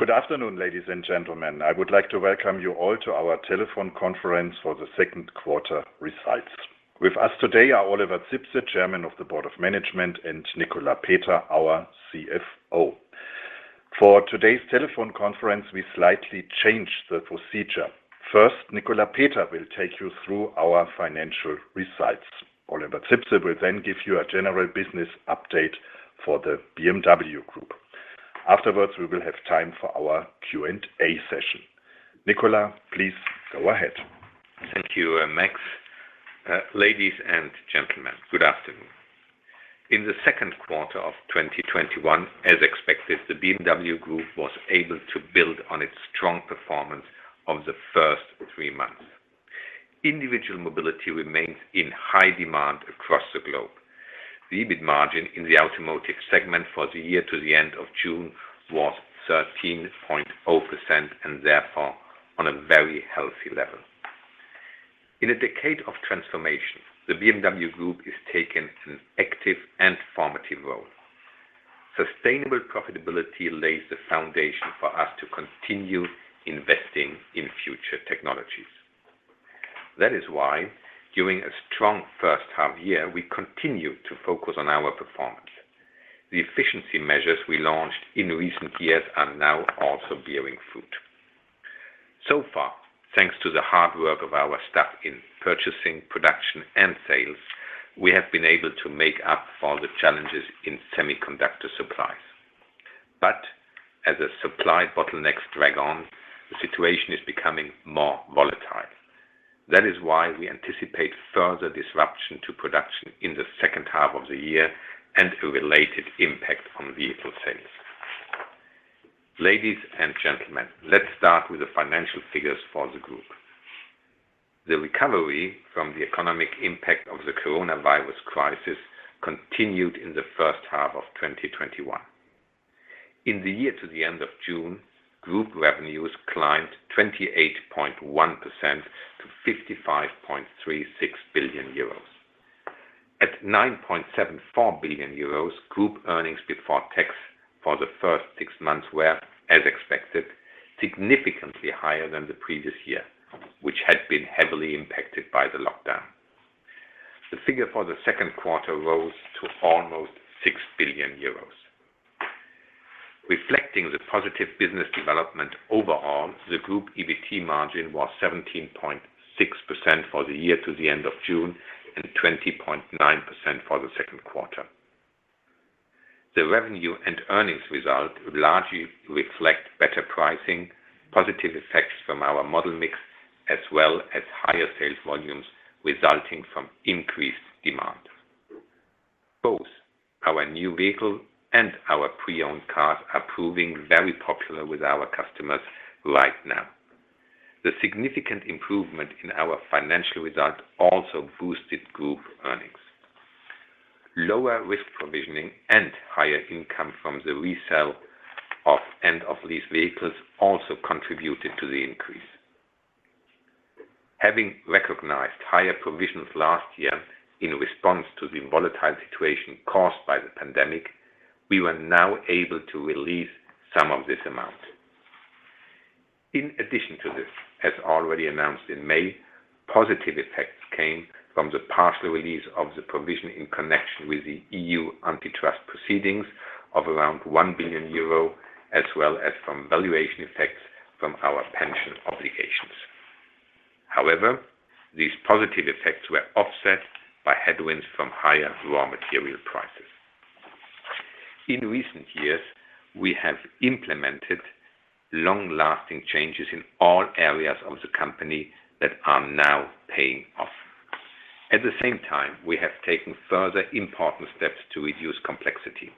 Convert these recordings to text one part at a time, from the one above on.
Good afternoon, ladies and gentlemen. I would like to welcome you all to our Telephone Conference for the Second Quarter Results. With us today are Oliver Zipse, Chairman of the Board of Management, and Nicolas Peter, our CFO. For today's telephone conference, we slightly changed the procedure. First, Nicolas Peter will take you through our financial results. Oliver Zipse will then give you a general business update for the BMW Group. Afterwards, we will have time for our Q&A session. Nicolas, please go ahead. Thank you, Max. Ladies and gentlemen, good afternoon. In the second quarter of 2021, as expected, the BMW Group was able to build on its strong performance of the first three months. Individual mobility remains in high demand across the globe. The EBIT margin in the automotive segment for the year to the end of June was 13.0% and, therefore, on a very healthy level. In a decade of transformation, the BMW Group is taking an active and formative role. Sustainable profitability lays the foundation for us to continue investing in future technologies. That is why during a strong first half year, we continued to focus on our performance. The efficiency measures we launched in recent years are now also bearing fruit. Far, thanks to the hard work of our staff in purchasing, production, and sales, we have been able to make up for the challenges in semiconductor supplies. As the supply bottlenecks drag on, the situation is becoming more volatile. That is why we anticipate further disruption to production in the second half of the year and a related impact on vehicle sales. Ladies and gentlemen, let's start with the financial figures for the group. The recovery from the economic impact of the coronavirus crisis continued in the first half of 2021. In the year to the end of June, group revenues climbed 28.1% to 55.36 billion euros. At 9.74 billion euros, group earnings before tax for the first six months were, as expected, significantly higher than the previous year, which had been heavily impacted by the lockdown. The figure for the second quarter rose to almost 6 billion euros. Reflecting the positive business development overall, the group EBT margin was 17.6% for the year to the end of June and 20.9% for the second quarter. The revenue and earnings result largely reflect better pricing, positive effects from our model mix, as well as higher sales volumes resulting from increased demand. Both our new vehicle and our pre-owned cars are proving very popular with our customers right now. The significant improvement in our financial results also boosted group earnings. Lower risk provisioning and higher income from the resale of end-of-lease vehicles also contributed to the increase. Having recognized higher provisions last year in response to the volatile situation caused by the pandemic, we were now able to release some of this amount. In addition to this, as already announced in May, positive effects came from the partial release of the provision in connection with the EU antitrust proceedings of around 1 billion euro, as well as from valuation effects from our pension obligations. These positive effects were offset by headwinds from higher raw material prices. In recent years, we have implemented long-lasting changes in all areas of the company that are now paying off. At the same time, we have taken further important steps to reduce complexity.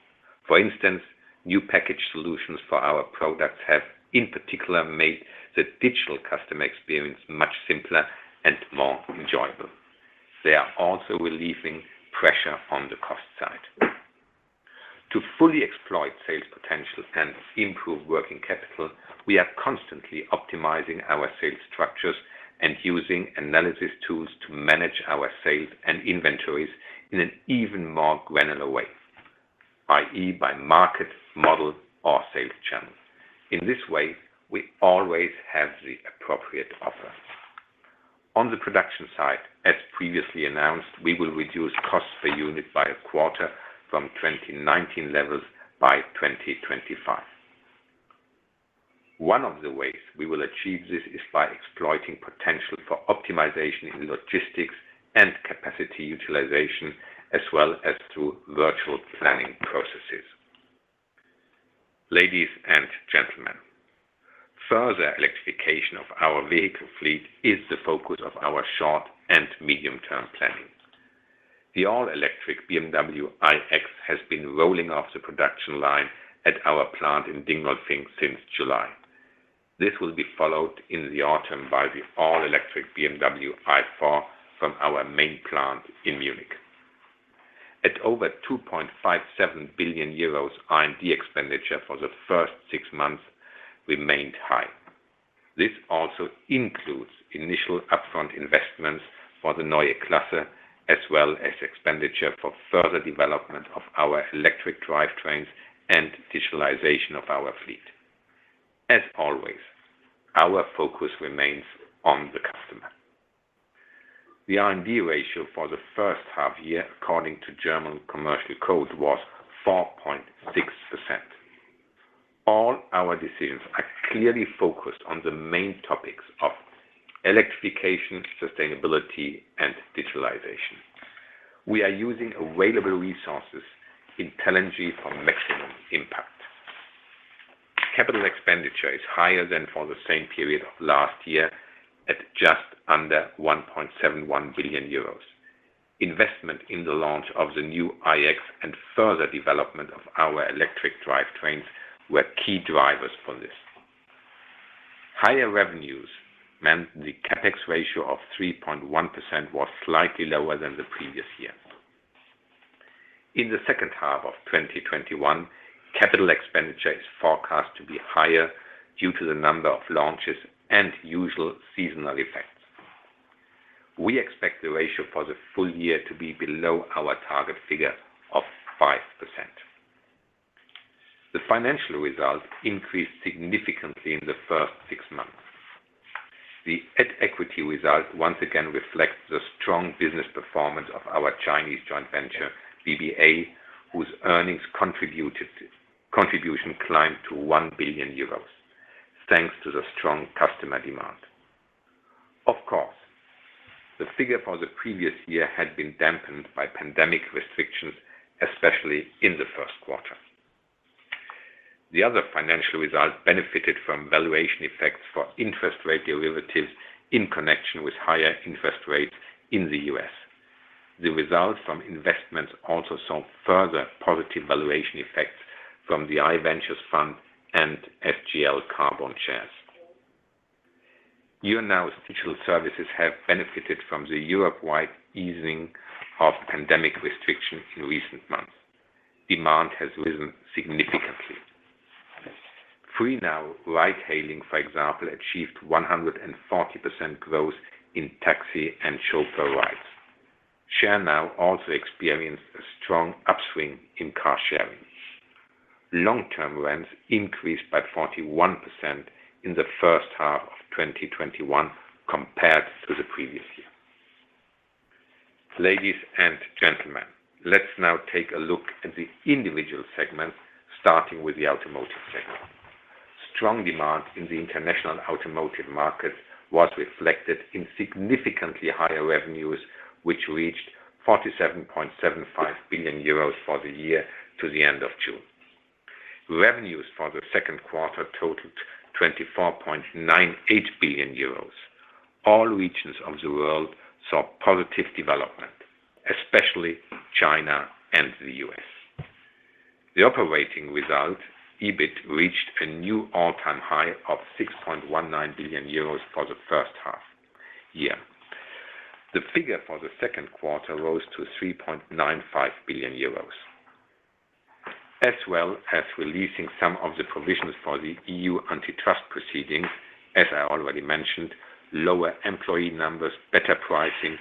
For instance, new package solutions for our products have, in particular, made the digital customer experience much simpler and more enjoyable. They are also relieving pressure on the cost side. To fully exploit sales potential and improve working capital, we are constantly optimizing our sales structures and using analysis tools to manage our sales and inventories in an even more granular way, i.e., by market, model, or sales channel. In this way, we always have the appropriate offer. On the production side, as previously announced, we will reduce costs per unit by a quarter from 2019 levels by 2025. One of the ways we will achieve this is by exploiting potential for optimization in logistics and capacity utilization, as well as through virtual planning processes. Ladies and gentlemen, further electrification of our vehicle fleet is the focus of our short- and medium-term planning. The all-electric BMW iX has been rolling off the production line at our plant in Dingolfing since July. This will be followed in the autumn by the all-electric BMW i4 from our main plant in Munich. At over 2.57 billion euros, R&D expenditure for the first six months remained high. This also includes initial upfront investments for the Neue Klasse, as well as expenditure for further development of our electric drivetrains and digitalization of our fleet. As always, our focus remains on the customer. The R&D ratio for the first half year, according to German Commercial Code, was 4.6%. All our decisions are clearly focused on the main topics of electrification, sustainability, and digitalization. We are using available resources intelligently for maximum impact. Capital expenditure is higher than for the same period of last year at just under 1.71 billion euros. Investment in the launch of the new iX and further development of our electric drivetrains were key drivers for this. Higher revenues meant the CapEx ratio of 3.1% was slightly lower than the previous year. In the second half of 2021, capital expenditure is forecast to be higher due to the number of launches and usual seasonal effects. We expect the ratio for the full year to be below our target figure of 5%. The financial results increased significantly in the first six months. The at-equity result once again reflects the strong business performance of our Chinese joint venture, BBA, whose earnings contribution climbed to 1 billion euros, thanks to the strong customer demand. Of course, the figure for the previous year had been dampened by pandemic restrictions, especially in the first quarter. The other financial results benefited from valuation effects for interest rate derivatives in connection with higher interest rates in the U.S. The results from investments also saw further positive valuation effects from the i Ventures fund and SGL Carbon shares. YOUR NOW digital services have benefited from the Europe-wide easing of pandemic restrictions in recent months. Demand has risen significantly. Freenow ride hailing, for example, achieved 140% growth in taxi and chauffeur rides. Share Now also experienced a strong upswing in car sharing. Long-term rents increased by 41% in the first half of 2021 compared to the previous year. Ladies and gentlemen, let's now take a look at the individual segments, starting with the automotive segment. Strong demand in the international automotive market was reflected in significantly higher revenues, which reached 47.75 billion euros for the year to the end of June. Revenues for the second quarter totaled 24.98 billion euros. All regions of the world saw positive development, especially China and the U.S. The operating result, EBIT, reached a new all-time high of 6.19 billion euros for the first half year. The figure for the second quarter rose to 3.95 billion euros. As well as releasing some of the provisions for the EU antitrust proceedings, as I already mentioned, lower employee numbers, better pricing,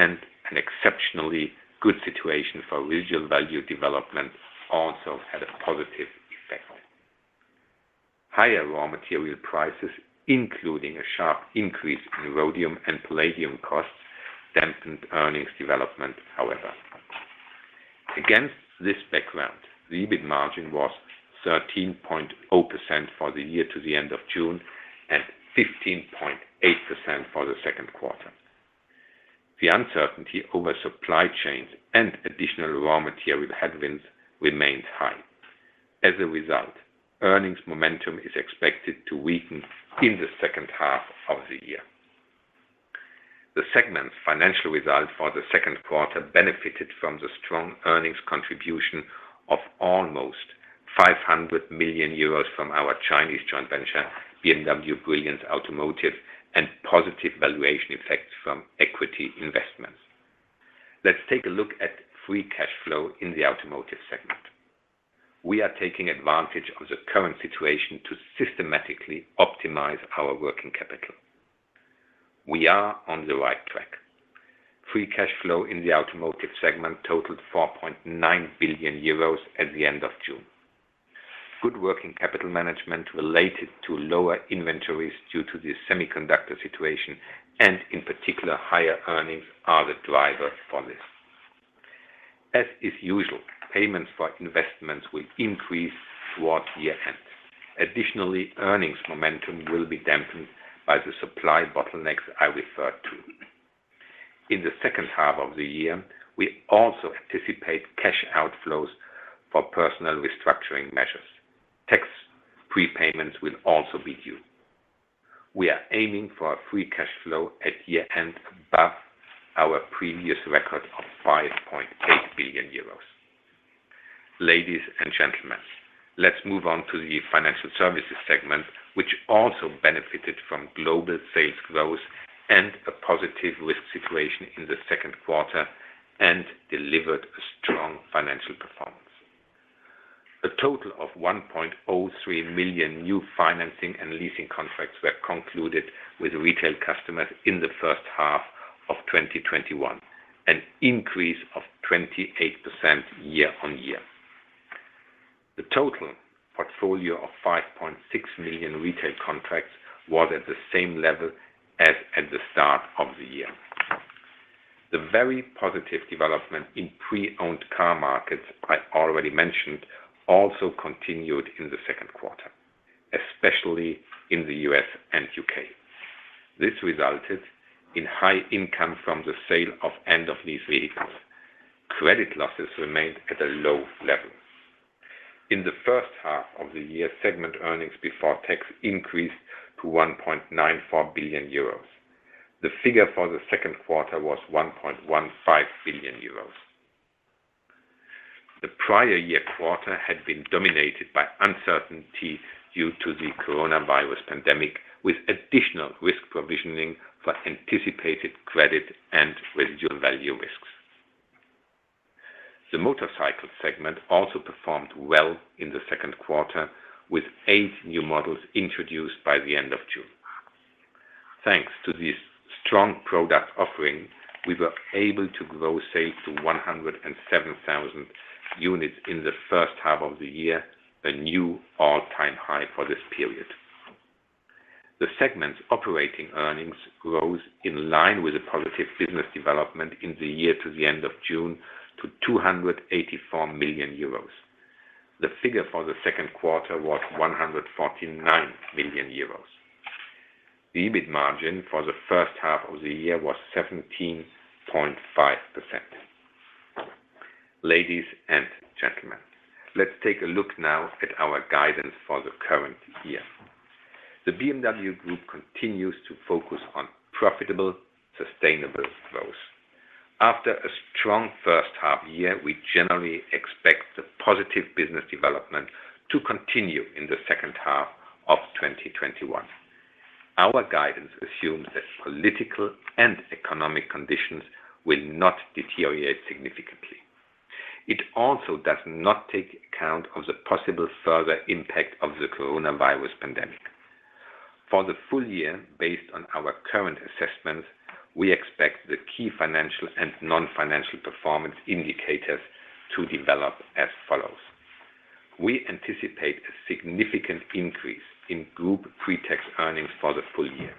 and an exceptionally good situation for residual value development also had a positive effect. Higher raw material prices, including a sharp increase in rhodium and palladium costs, dampened earnings development, however. Against this background, the EBIT margin was 13.0% for the year to the end of June and 15.8% for the second quarter. The uncertainty over supply chains and additional raw material headwinds remains high. As a result, earnings momentum is expected to weaken in the second half of the year. The segment's financial result for the second quarter benefited from the strong earnings contribution of almost 500 million euros from our Chinese joint venture, BMW Brilliance Automotive, and positive valuation effects from equity investments. Let's take a look at free cash flow in the automotive segment. We are taking advantage of the current situation to systematically optimize our working capital. We are on the right track. Free cash flow in the automotive segment totaled 4.9 billion euros at the end of June. Good working capital management related to lower inventories due to the semiconductor situation, and in particular, higher earnings are the driver for this. As is usual, payments for investments will increase towards year-end. Additionally, earnings momentum will be dampened by the supply bottlenecks I referred to. In the second half of the year, we also anticipate cash outflows for personal restructuring measures. Tax prepayments will also be due. We are aiming for a free cash flow at year-end above our previous record of 5.8 billion euros. Ladies and gentlemen, let's move on to the financial services segment, which also benefited from global sales growth and a positive risk situation in the second quarter and delivered a strong financial performance. A total of 1.03 million new financing and leasing contracts were concluded with retail customers in the first half of 2021, an increase of 28% year-on-year. The total portfolio of 5.6 million retail contracts was at the same level as at the start of the year. The very positive development in pre-owned car markets I already mentioned, also continued in the second quarter, especially in the U.S. and U.K. This resulted in high income from the sale of end-of-lease vehicles. Credit losses remained at a low level. In the first half of the year, segment earnings before tax increased to 1.94 billion euros. The figure for the second quarter was 1.15 billion euros. The prior year quarter had been dominated by uncertainty due to the coronavirus pandemic, with additional risk provisioning for anticipated credit and residual value risks. The Motorcycle segment also performed well in the second quarter, with eight new models introduced by the end of June. Thanks to this strong product offering, we were able to grow sales to 107,000 units in the first half of the year, a new all-time high for this period. The segment's operating earnings rose in line with the positive business development in the year to the end of June to 284 million euros. The figure for the second quarter was 149 million euros. The EBIT margin for the first half of the year was 17.5%. Ladies and gentlemen, let's take a look now at our guidance for the current year. The BMW Group continues to focus on profitable, sustainable growth. After a strong first half year, we generally expect the positive business development to continue in the second half of 2021. Our guidance assumes that political and economic conditions will not deteriorate significantly. It also does not take account of the possible further impact of the coronavirus pandemic. For the full year, based on our current assessments, we expect the key financial and non-financial performance indicators to develop as follows. We anticipate a significant increase in group pre-tax earnings for the full year.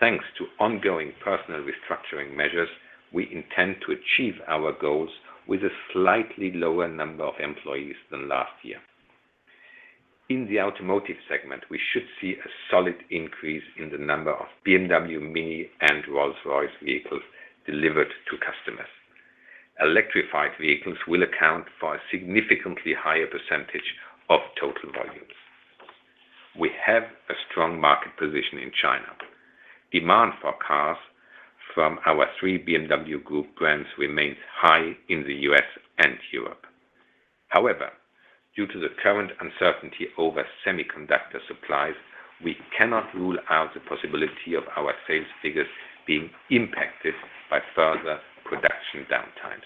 Thanks to ongoing personnel restructuring measures, we intend to achieve our goals with a slightly lower number of employees than last year. In the Automotive segment, we should see a solid increase in the number of BMW, MINI, and Rolls-Royce vehicles delivered to customers. Electrified vehicles will account for a significantly higher percentage of total volumes. We have a strong market position in China. Demand for cars from our three BMW Group brands remains high in the U.S. and Europe. Due to the current uncertainty over semiconductor supplies, we cannot rule out the possibility of our sales figures being impacted by further production downtimes.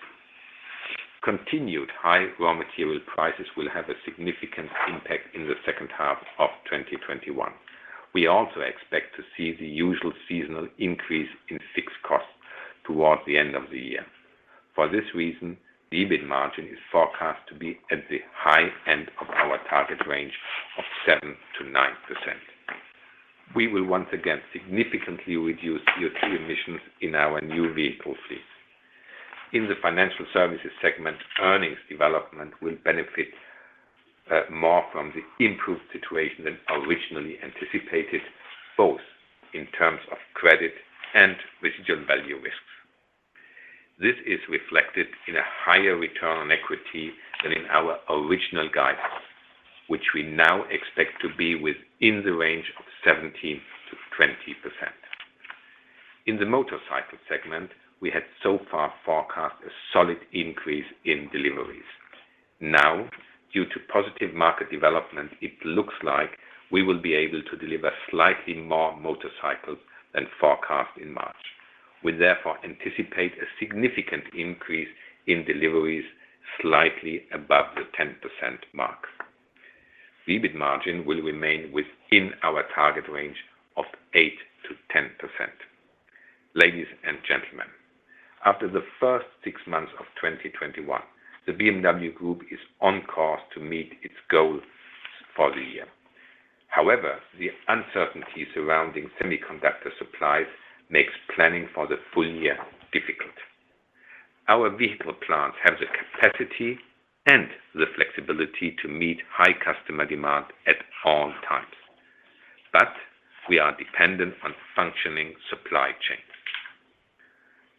Continued high raw material prices will have a significant impact in the second half of 2021. We also expect to see the usual seasonal increase in fixed costs towards the end of the year. For this reason, the EBIT margin is forecast to be at the high end of our target range of 7%-9%. We will once again significantly reduce CO2 emissions in our new vehicle fleet. In the Financial Services segment, earnings development will benefit more from the improved situation than originally anticipated, both in terms of credit and residual value risks. This is reflected in a higher return on equity than in our original guidance, which we now expect to be within the range of 17%-20%. In the Motorcycle segment, we had so far forecast a solid increase in deliveries. Now, due to positive market development, it looks like we will be able to deliver slightly more motorcycles than forecast in March. We therefore anticipate a significant increase in deliveries slightly above the 10% mark. The EBIT margin will remain within our target range of 8%-10%. Ladies and gentlemen, after the first six months of 2021, the BMW Group is on course to meet its goals for the year. However, the uncertainty surrounding semiconductor supplies makes planning for the full year difficult. Our vehicle plants have the capacity and the flexibility to meet high customer demand at all times, but we are dependent on functioning supply chains.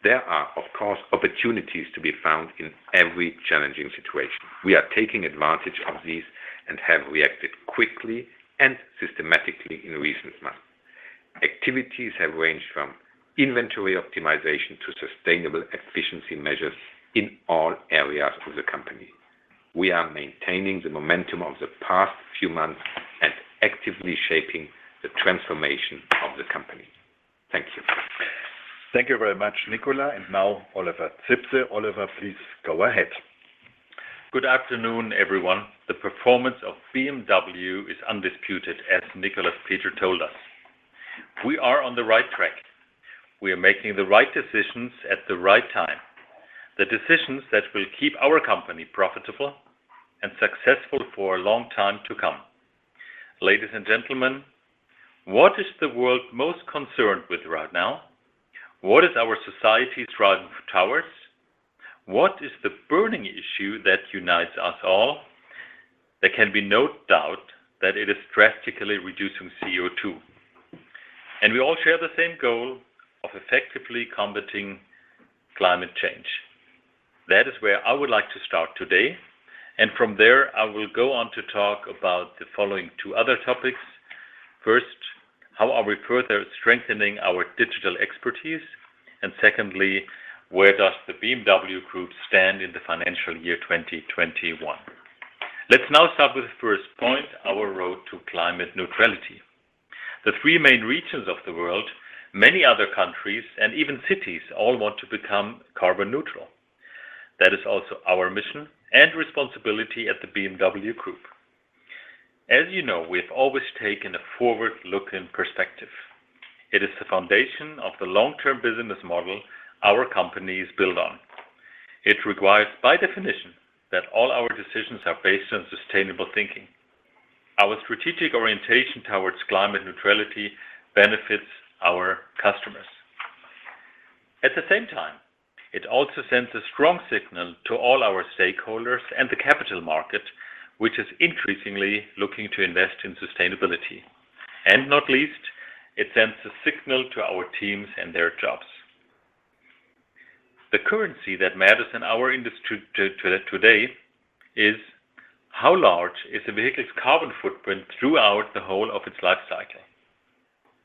There are, of course, opportunities to be found in every challenging situation. We are taking advantage of these and have reacted quickly and systematically in recent months. Activities have ranged from inventory optimization to sustainable efficiency measures in all areas of the company. We are maintaining the momentum of the past few months and actively shaping the transformation of the company. Thank you very much, Nicolas Peter. Now Oliver Zipse. Oliver, please go ahead. Good afternoon, everyone. The performance of BMW is undisputed, as Nicolas Peter told us. We are on the right track. We are making the right decisions at the right time. The decisions that will keep our company profitable and successful for a long time to come. Ladies and gentlemen, what is the world most concerned with right now? What is our society's driving powers? What is the burning issue that unites us all? There can be no doubt that it is drastically reducing CO2. We all share the same goal of effectively combating climate change. That is where I would like to start today, and from there, I will go on to talk about the following two other topics. First, how are we further strengthening our digital expertise? Secondly, where does the BMW Group stand in the financial year 2021? Let's now start with the first point, our road to climate neutrality. The three main regions of the world, many other countries, and even cities, all want to become carbon neutral. That is also our mission and responsibility at the BMW Group. As you know, we have always taken a forward-looking perspective. It is the foundation of the long-term business model our company is built on. It requires, by definition, that all our decisions are based on sustainable thinking. Our strategic orientation towards climate neutrality benefits our customers. At the same time, it also sends a strong signal to all our stakeholders and the capital market, which is increasingly looking to invest in sustainability. Not least, it sends a signal to our teams and their jobs. The currency that matters in our industry today is how large is the vehicle's carbon footprint throughout the whole of its life cycle.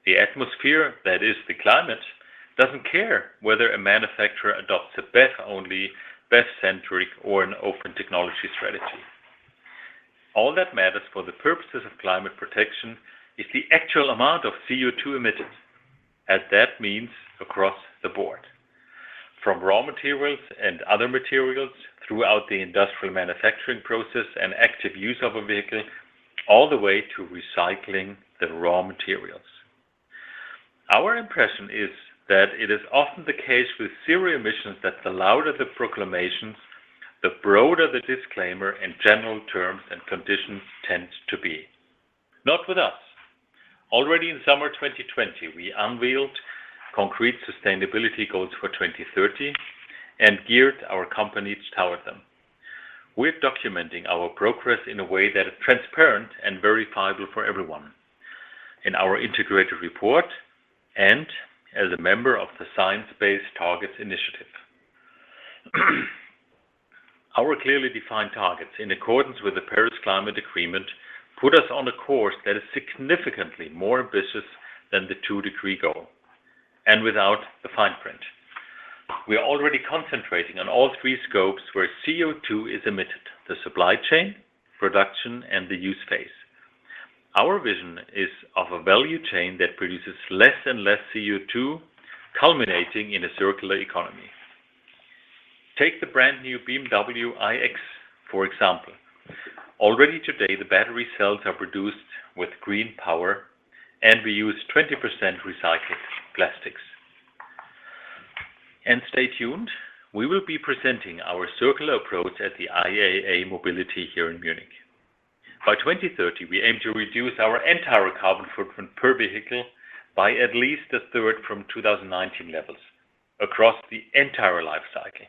The atmosphere, that is the climate, doesn't care whether a manufacturer adopts a BEV-only, BEV-centric, or an open technology strategy. All that matters for the purposes of climate protection is the actual amount of CO2 emitted, as that means across the board. From raw materials and other materials, throughout the industrial manufacturing process and active use of a vehicle, all the way to recycling the raw materials. Our impression is that it is often the case with zero emissions that the louder the proclamations, the broader the disclaimer and general terms and conditions tend to be. Not with us. Already in summer 2020, we unveiled concrete sustainability goals for 2030 and geared our company toward them. We're documenting our progress in a way that is transparent and verifiable for everyone, in our integrated report and as a member of the Science Based Targets initiative. Our clearly defined targets, in accordance with the Paris Climate Agreement, put us on a course that is significantly more ambitious than the two-degree goal, without the fine print. We are already concentrating on all three scopes where CO2 is emitted, the supply chain, production, and the use phase. Our vision is of a value chain that produces less and less CO2, culminating in a circular economy. Take the brand new BMW iX, for example. Already today, the battery cells are produced with green power, and we use 20% recycled plastics. Stay tuned, we will be presenting our circular approach at the IAA Mobility here in Munich. By 2030, we aim to reduce our entire carbon footprint per vehicle by at least a third from 2019 levels across the entire life cycle.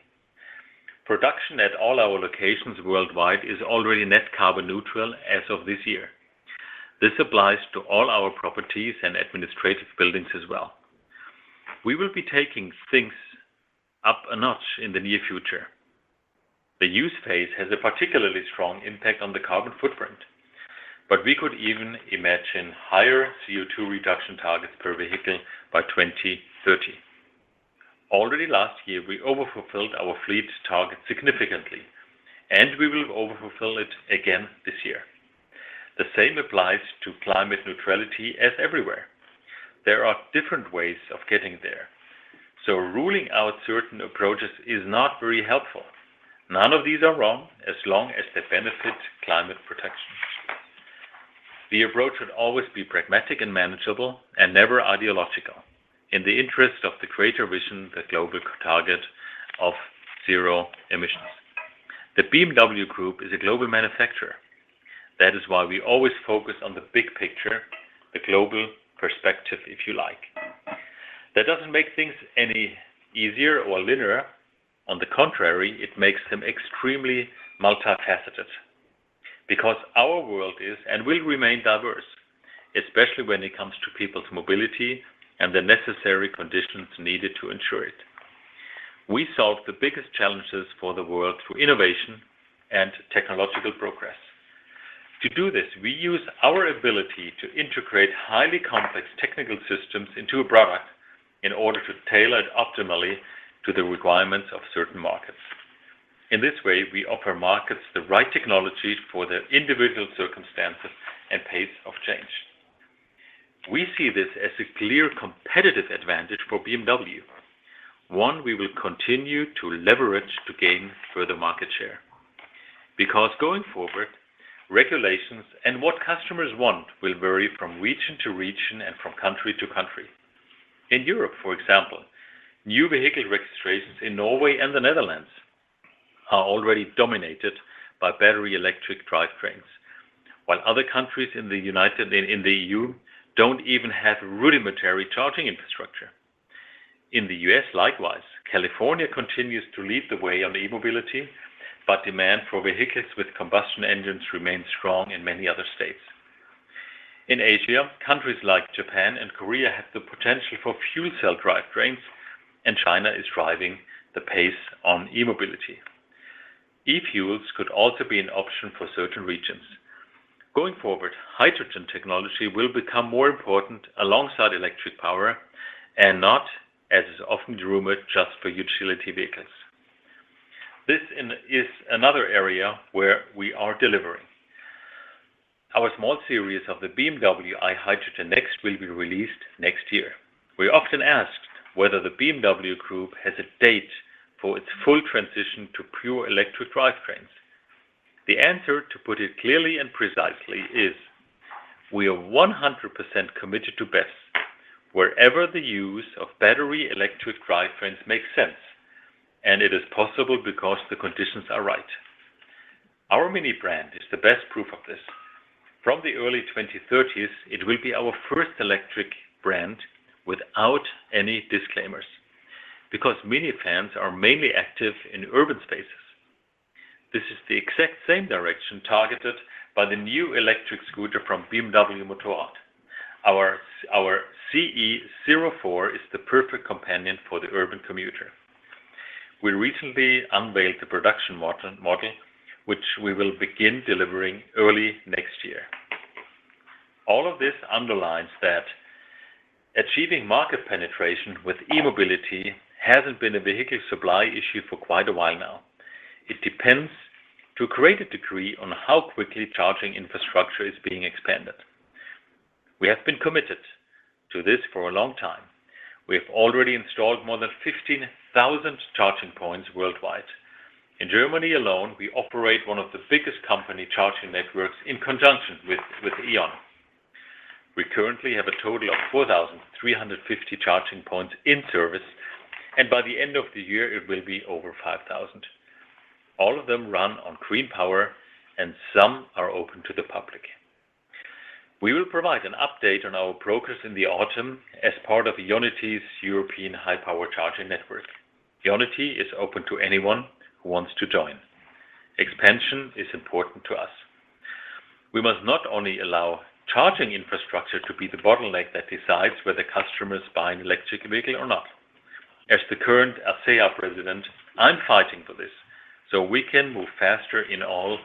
Production at all our locations worldwide is already net carbon neutral as of this year. This applies to all our properties and administrative buildings as well. We will be taking things up a notch in the near future. The use phase has a particularly strong impact on the carbon footprint, but we could even imagine higher CO2 reduction targets per vehicle by 2030. Already last year, we overfulfilled our fleet target significantly, and we will overfulfill it again this year. The same applies to climate neutrality as everywhere. There are different ways of getting there, so ruling out certain approaches is not very helpful. None of these are wrong as long as they benefit climate protection. The approach should always be pragmatic and manageable and never ideological, in the interest of the greater vision, the global target of zero emissions. The BMW Group is a global manufacturer. That is why we always focus on the big picture, the global perspective, if you like. That doesn't make things any easier or linear. On the contrary, it makes them extremely multifaceted, because our world is and will remain diverse, especially when it comes to people's mobility and the necessary conditions needed to ensure it. We solve the biggest challenges for the world through innovation and technological progress. To do this, we use our ability to integrate highly complex technical systems into a product in order to tailor it optimally to the requirements of certain markets. In this way, we offer markets the right technologies for their individual circumstances and pace of change. We see this as a clear competitive advantage for BMW, one we will continue to leverage to gain further market share. Because going forward, regulations and what customers want will vary from region to region and from country to country. In Europe, for example, new vehicle registrations in Norway and the Netherlands are already dominated by battery electric drivetrains, while other countries in the EU don't even have rudimentary charging infrastructure. In the U.S., likewise, California continues to lead the way on e-mobility, but demand for vehicles with combustion engines remains strong in many other states. In Asia, countries like Japan and Korea have the potential for fuel cell drivetrains, and China is driving the pace on e-mobility. E-fuels could also be an option for certain regions. Going forward, hydrogen technology will become more important alongside electric power and not, as is often rumored, just for utility vehicles. This is another area where we are delivering. Our small series of the BMW i Hydrogen NEXT will be released next year. We're often asked whether the BMW Group has a date for its full transition to pure electric drivetrains. The answer, to put it clearly and precisely, is we are 100% committed to BEVs wherever the use of battery electric drivetrains makes sense, and it is possible because the conditions are right. Our MINI brand is the best proof of this. From the early 2030s, it will be our first electric brand without any disclaimers because MINI fans are mainly active in urban spaces. This is the exact same direction targeted by the new electric scooter from BMW Motorrad. Our CE 04 is the perfect companion for the urban commuter. We recently unveiled the production model, which we will begin delivering early next year. All of this underlines that achieving market penetration with e-mobility hasn't been a vehicle supply issue for quite a while now. It depends, to a great degree, on how quickly charging infrastructure is being expanded. We have been committed to this for a long time. We have already installed more than 15,000 charging points worldwide. In Germany alone, we operate one of the biggest company charging networks in conjunction with E.ON. We currently have a total of 4,350 charging points in service, and by the end of the year, it will be over 5,000. All of them run on green power, and some are open to the public. We will provide an update on our progress in the autumn as part of IONITY's European high-power charging network. IONITY is open to anyone who wants to join. Expansion is important to us. We must not only allow charging infrastructure to be the bottleneck that decides whether customers buy an electric vehicle or not. As the current ACEA president, I'm fighting for this so we can move faster in all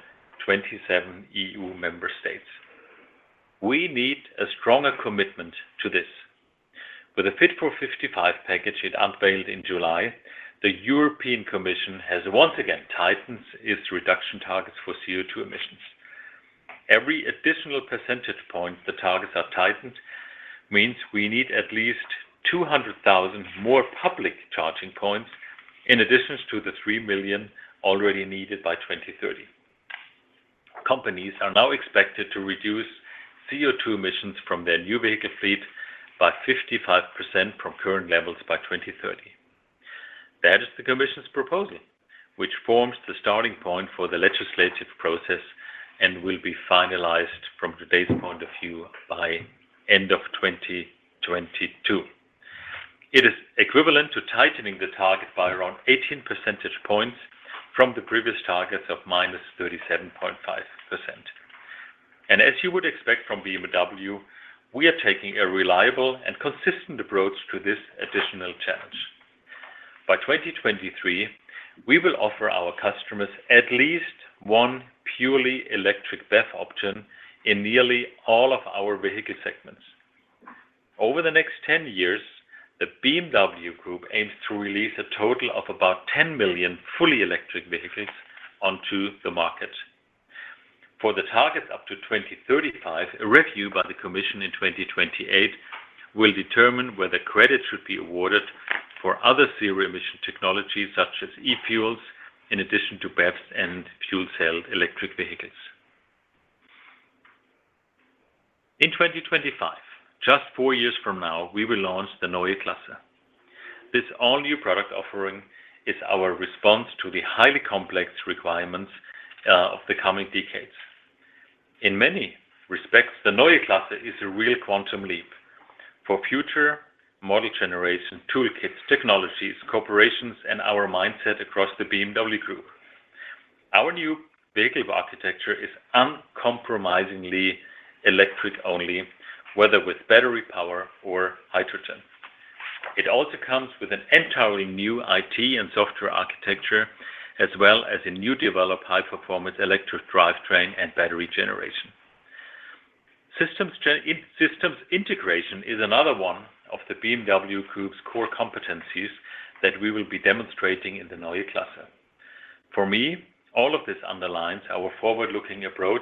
27 EU member states. We need a stronger commitment to this. With the Fit for 55 package it unveiled in July, the European Commission has once again tightened its reduction targets for CO2 emissions. Every additional percentage point the targets are tightened means we need at least 200,000 more public charging points in addition to the 3 million already needed by 2030. Companies are now expected to reduce CO2 emissions from their new vehicle fleet by 55% from current levels by 2030. That is the Commission's proposal, which forms the starting point for the legislative process and will be finalized from today's point of view by end of 2022. It is equivalent to tightening the target by around 18 percentage points from the previous targets of -37.5%. As you would expect from BMW, we are taking a reliable and consistent approach to this additional challenge. By 2023, we will offer our customers at least one purely electric BEV option in nearly all of our vehicle segments. Over the next 10 years, the BMW Group aims to release a total of about 10 million fully electric vehicles onto the market. For the targets up to 2035, a review by the Commission in 2028 will determine whether credits should be awarded for other zero-emission technologies such as e-fuels, in addition to BEVs and fuel cell electric vehicles. In 2025, just four years from now, we will launch the Neue Klasse. This all-new product offering is our response to the highly complex requirements of the coming decades. In many respects, the Neue Klasse is a real quantum leap for future model generation, toolkits, technologies, corporations, and our mindset across the BMW Group. Our new vehicle architecture is uncompromisingly electric only, whether with battery power or hydrogen. It also comes with an entirely new IT and software architecture, as well as a newly developed high-performance electric drivetrain and battery generation. Systems integration is another one of the BMW Group's core competencies that we will be demonstrating in the Neue Klasse. For me, all of this underlines our forward-looking approach.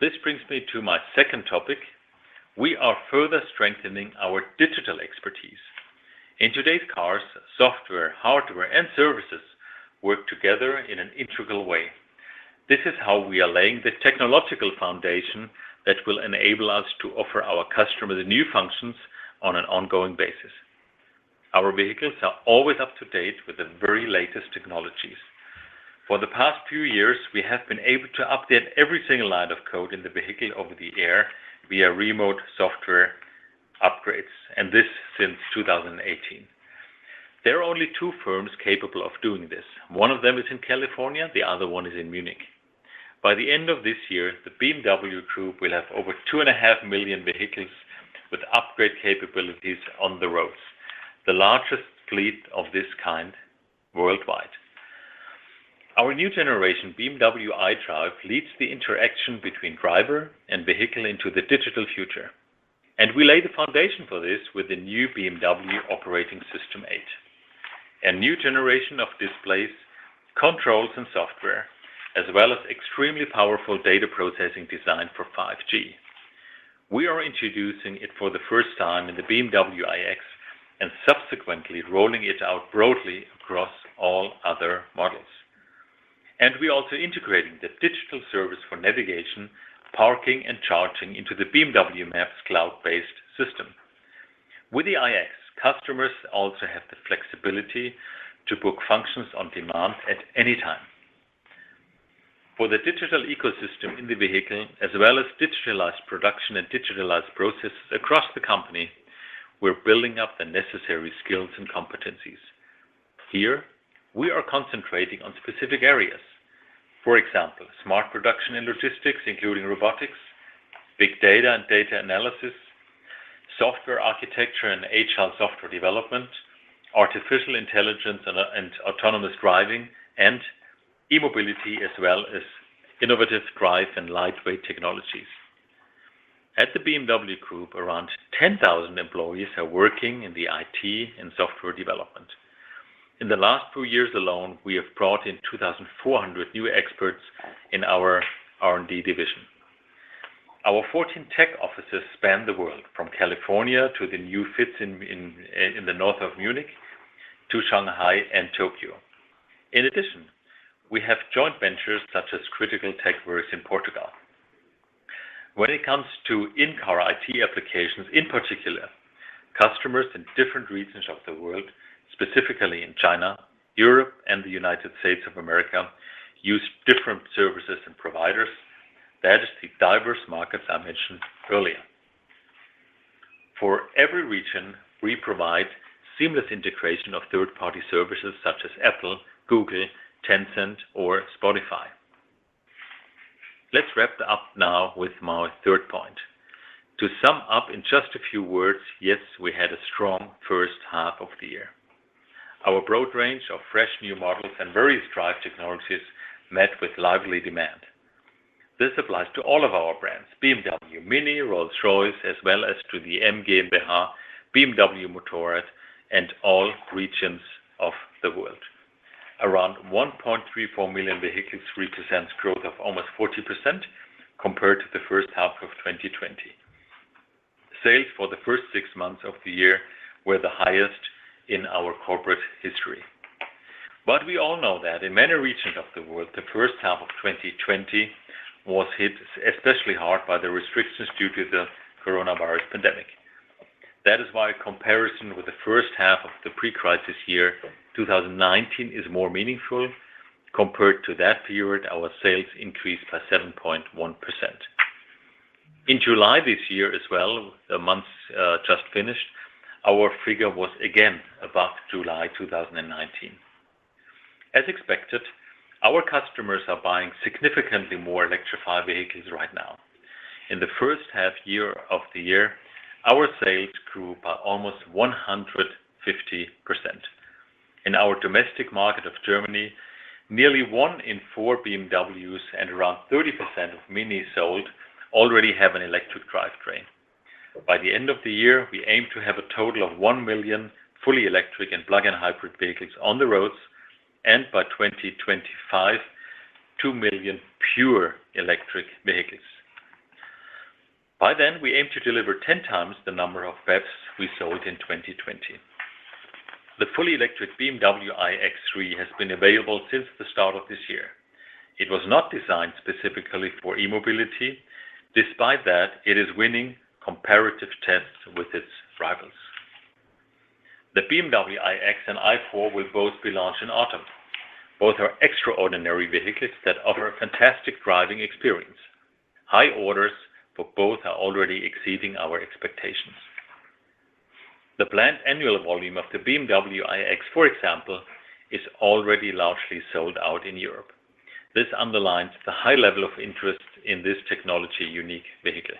This brings me to my second topic. We are further strengthening our digital expertise. In today's cars, software, hardware, and services work together in an integral way. This is how we are laying the technological foundation that will enable us to offer our customers new functions on an ongoing basis. Our vehicles are always up to date with the very latest technologies. For the past few years, we have been able to update every single line of code in the vehicle over the air via remote software upgrades, and this since 2018. There are only two firms capable of doing this. One of them is in California, the other one is in Munich. By the end of this year, the BMW Group will have over 2.5 million vehicles with upgrade capabilities on the roads, the largest fleet of this kind worldwide. Our new generation BMW iDrive leads the interaction between driver and vehicle into the digital future, and we lay the foundation for this with the new BMW Operating System 8. A new generation of displays, controls and software, as well as extremely powerful data processing designed for 5G. We are introducing it for the first time in the BMW iX and subsequently rolling it out broadly across all other models. We are also integrating the digital service for navigation, parking, and charging into the BMW Maps cloud-based system. With the BMW iX, customers also have the flexibility to book functions on demand at any time. For the digital ecosystem in the vehicle, as well as digitalized production and digitalized processes across the company, we're building up the necessary skills and competencies. Here, we are concentrating on specific areas. For example, smart production and logistics including robotics, big data and data analysis, software architecture and agile software development, artificial intelligence and autonomous driving, and e-mobility, as well as innovative drive and lightweight technologies. At the BMW Group, around 10,000 employees are working in the IT and software development. In the last two years alone, we have brought in 2,400 new experts in our R&D division. Our 14 tech offices span the world, from California to the new FIZ in the north of Munich to Shanghai and Tokyo. In addition, we have joint ventures such as Critical TechWorks in Portugal. When it comes to in-car IT applications, in particular, customers in different regions of the world, specifically in China, Europe, and the United States of America, use different services and providers. That is the diverse markets I mentioned earlier. For every region, we provide seamless integration of third-party services such as Apple, Google, Tencent, or Spotify. Let's wrap up now with my third point. To sum up in just a few words, yes, we had a strong first half of the year. Our broad range of fresh new models and various drive technologies met with lively demand. This applies to all of our brands, BMW, MINI, Rolls-Royce, as well as to the M GmbH, BMW Motorrad, and all regions of the world. Around 1.34 million vehicles represents growth of almost 40% compared to the first half of 2020. Sales for the first six months of the year were the highest in our corporate history. We all know that in many regions of the world, the first half of 2020 was hit especially hard by the restrictions due to the coronavirus pandemic. That is why comparison with the first half of the pre-crisis year, 2019, is more meaningful. Compared to that period, our sales increased by 7.1%. In July this year as well, the month just finished, our figure was again above July 2019. As expected, our customers are buying significantly more electrified vehicles right now. In the first half year of the year, our sales grew by almost 150%. In our domestic market of Germany, nearly one in four BMWs and around 30% of MINIs sold already have an electric drivetrain. By the end of the year, we aim to have a total of 1 million fully electric and plug-in hybrid vehicles on the roads, and by 2025, 2 million pure electric vehicles. By then, we aim to deliver 10 times the number of BEVs we sold in 2020. The fully electric BMW iX3 has been available since the start of this year. It was not designed specifically for e-mobility. Despite that, it is winning comparative tests with its rivals. The BMW iX and i4 will both be launched in autumn. Both are extraordinary vehicles that offer a fantastic driving experience. High orders for both are already exceeding our expectations. The planned annual volume of the BMW iX, for example, is already largely sold out in Europe. This underlines the high level of interest in this technology-unique vehicle.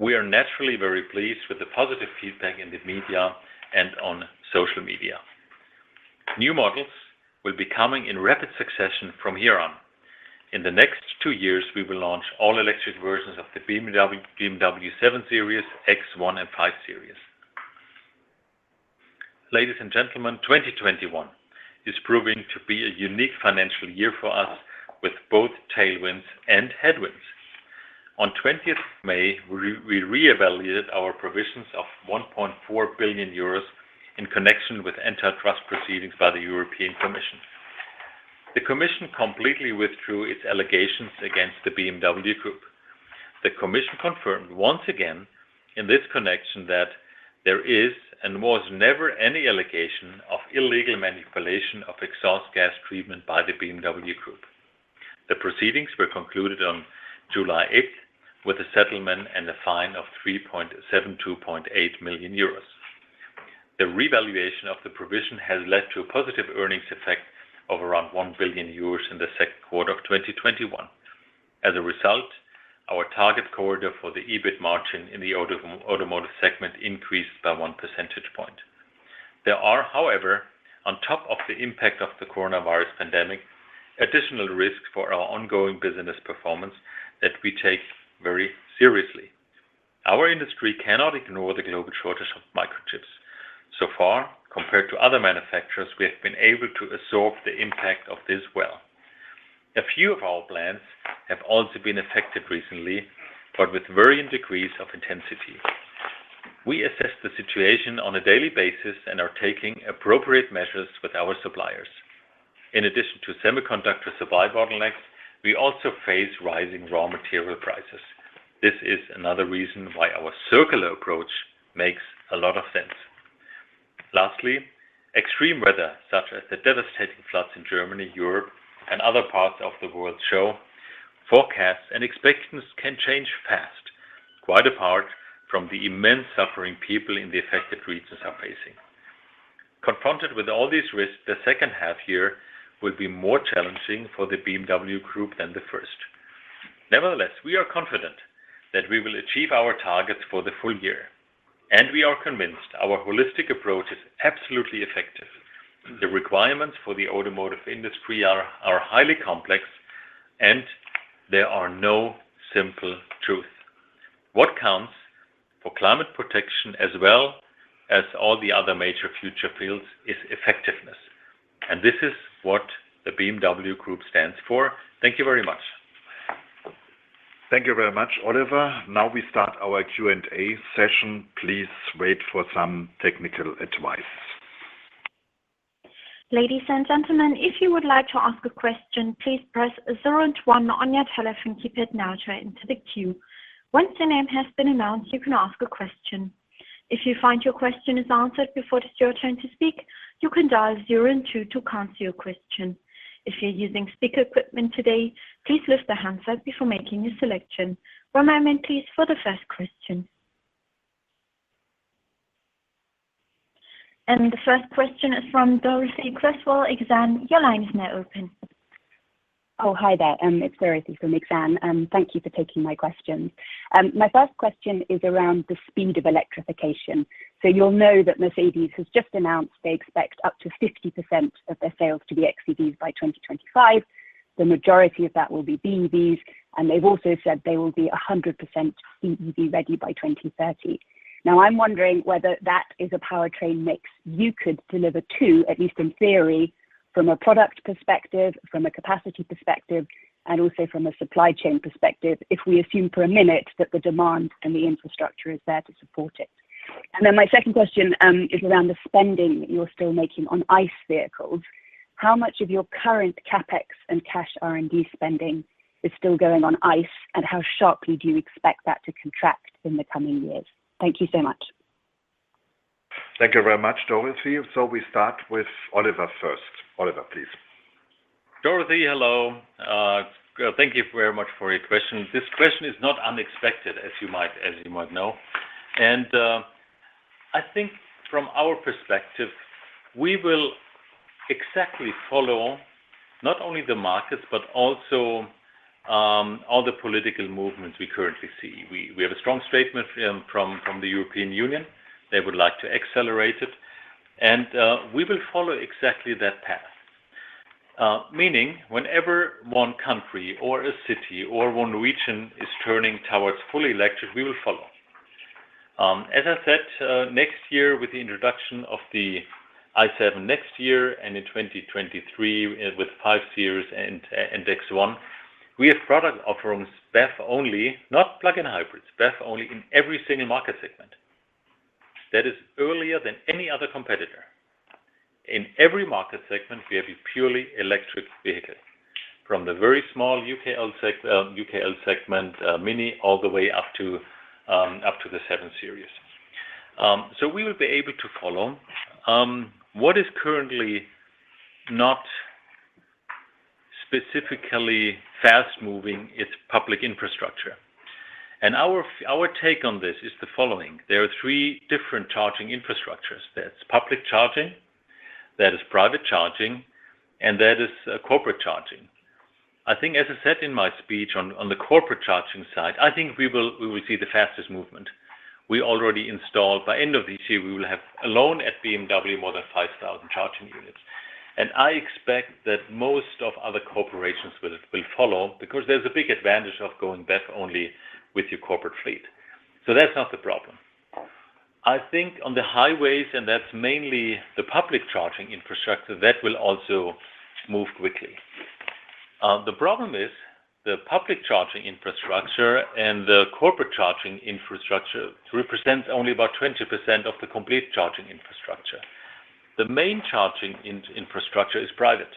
We are naturally very pleased with the positive feedback in the media and on social media. New models will be coming in rapid succession from here on. In the next two years, we will launch all-electric versions of the BMW i7 Series, X1, and 5 Series. Ladies and gentlemen, 2021 is proving to be a unique financial year for us with both tailwinds and headwinds. On 20th May, we reevaluated our provisions of 1.4 billion euros in connection with antitrust proceedings by the European Commission. The Commission completely withdrew its allegations against the BMW Group. The Commission confirmed once again in this connection that there is and was never any allegation of illegal manipulation of exhaust gas treatment by the BMW Group. The proceedings were concluded on July 8th with a settlement and a fine of 372.8 million euros. The revaluation of the provision has led to a positive earnings effect of around 1 billion euros in the second quarter of 2021. As a result, our target corridor for the EBIT margin in the automotive segment increased by one percentage point. There are, however, on top of the impact of the coronavirus pandemic, additional risks for our ongoing business performance that we take very seriously. Our industry cannot ignore the global shortage of microchips. So far, compared to other manufacturers, we have been able to absorb the impact of this well. A few of our plans have also been affected recently, but with varying degrees of intensity. We assess the situation on a daily basis and are taking appropriate measures with our suppliers. In addition to semiconductor supply bottlenecks, we also face rising raw material prices. This is another reason why our circular approach makes a lot of sense. Lastly, extreme weather, such as the devastating floods in Germany, Europe, and other parts of the world show forecasts and expectations can change fast, quite apart from the immense suffering people in the affected regions are facing. Confronted with all these risks, the second half year will be more challenging for the BMW Group than the first. Nevertheless, we are confident that we will achieve our targets for the full year, and we are convinced our holistic approach is absolutely effective. The requirements for the automotive industry are highly complex, and there are no simple truths. What counts for climate protection as well as all the other major future fields is effectiveness, and this is what the BMW Group stands for. Thank you very much. Thank you very much, Oliver. Now we start our Q&A session. Please wait for some technical advice. Ladies and gentle men if you would like to ask a question please press pound one on your telephone keypad in order to join the queue once your name is announced you can ask a question. If you find your question is answered before you join the queue you can dial pound two to cancel your question. If you are using speaker equipment today, please use the handset before making your selection. One moment, please, for the first question. The first question is from Dorothee Cresswell, Exane. Your line is now open. Oh, hi there. It's Dorothee Cresswell from Exane. Thank you for taking my questions. My first question is around the speed of electrification. You'll know that Mercedes-Benz has just announced they expect up to 50% of their sales to be xEVs by 2025. The majority of that will be BEVs, and they've also said they will be 100% BEV ready by 2030. Now, I'm wondering whether that is a powertrain mix you could deliver to, at least in theory, from a product perspective, from a capacity perspective, and also from a supply chain perspective, if we assume for a minute that the demand and the infrastructure is there to support it. My second question is around the spending you're still making on ICE vehicles. How much of your current CapEx and cash R&D spending is still going on ICE, and how sharply do you expect that to contract in the coming years? Thank you so much. Thank you very much, Dorothee. We start with Oliver first. Oliver, please. Dorothee, hello. Thank you very much for your question. This question is not unexpected, as you might know. I think from our perspective, we will exactly follow not only the markets, but also all the political movements we currently see. We have a strong statement from the European Union. They would like to accelerate it. We will follow exactly that path, meaning whenever one country or a city or one region is turning towards fully electric, we will follow. As I said, next year with the introduction of the i7 next year, and in 2023 with 5 Series and X1, we have product offerings, BEV only, not plug-in hybrids, BEV only in every single market segment. That is earlier than any other competitor. In every market segment, we have a purely electric vehicle, from the very small UKL segment MINI all the way up to the 7 Series. We will be able to follow. What is currently not specifically fast-moving is public infrastructure. Our take on this is the following. There are three different charging infrastructures. There is public charging, there is private charging, and there is corporate charging. I think as I said in my speech on the corporate charging side, I think we will see the fastest movement. We already installed, by end of this year, we will have alone at BMW more than 5,000 charging units. I expect that most of other corporations will follow because there is a big advantage of going BEV only with your corporate fleet. That is not the problem. I think on the highways, and that is mainly the public charging infrastructure, that will also move quickly. The problem is the public charging infrastructure and the corporate charging infrastructure represents only about 20% of the complete charging infrastructure. The main charging infrastructure is private.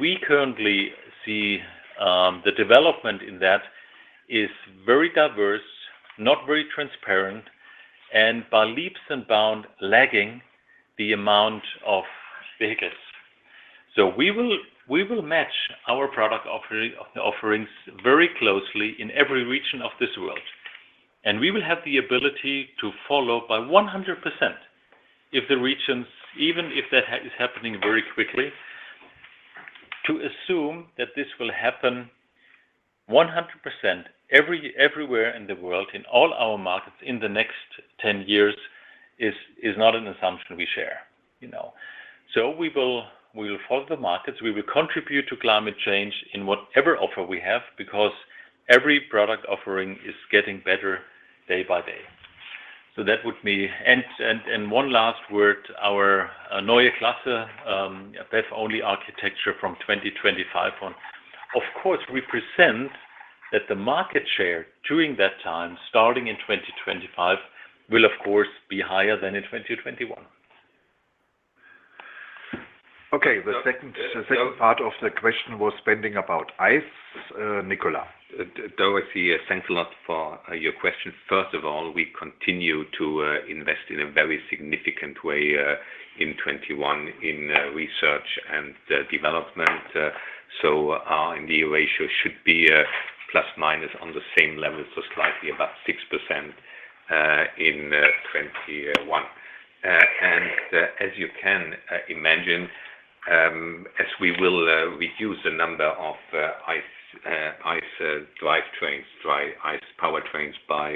We currently see the development in that is very diverse, not very transparent, and by leaps and bounds lagging the amount of vehicles. We will match our product offerings very closely in every region of this world. We will have the ability to follow by 100% even if that is happening very quickly. To assume that this will happen 100% everywhere in the world, in all our markets in the next 10 years is not an assumption we share. We will follow the markets. We will contribute to climate change in whatever offer we have because every product offering is getting better day by day. One last word, our Neue Klasse BEV-only architecture from 2025 on, of course, we present that the market share during that time, starting in 2025, will of course be higher than in 2021. Okay. The second part of the question was spending about ICE, Nicolas. Dorothee, thanks a lot for your question. First of all, we continue to invest in a very significant way in 2021 in research and development. Our R&D ratio should be plus/minus on the same level to slightly above 6% in 2021. As you can imagine, as we will reduce the number of ICE drivetrains, ICE powertrains by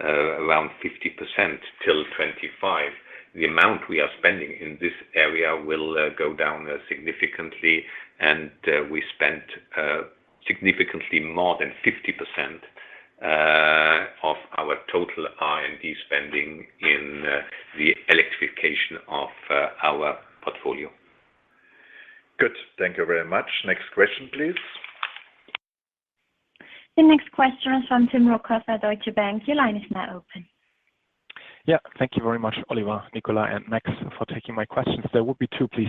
around 50% till 2025. The amount we are spending in this area will go down significantly, and we spent significantly more than 50% of our total R&D spending in the electrification of our portfolio. Good. Thank you very much. Next question, please. The next question is from Tim Rokossa at Deutsche Bank. Your line is now open. Thank you very much, Oliver, Nicolas, and Max for taking my questions. There will be two, please.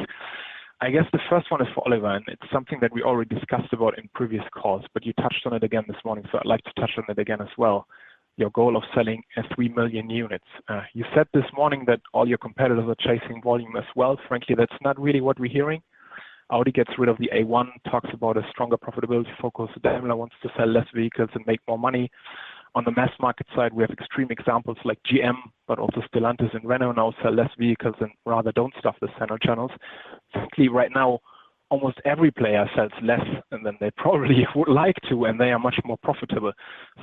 I guess the first one is for Oliver. It's something that we already discussed about in previous calls. You touched on it again this morning. I'd like to touch on it again as well. Your goal of selling 3 million units. You said this morning that all your competitors are chasing volume as well. Frankly, that's not really what we're hearing. Audi gets rid of the A1, talks about a stronger profitability focus. Daimler wants to sell less vehicles and make more money. On the mass market side, we have extreme examples like GM, also Stellantis and Renault now sell less vehicles and rather don't stuff the center channels. Frankly, right now, almost every player sells less than they probably would like to, and they are much more profitable.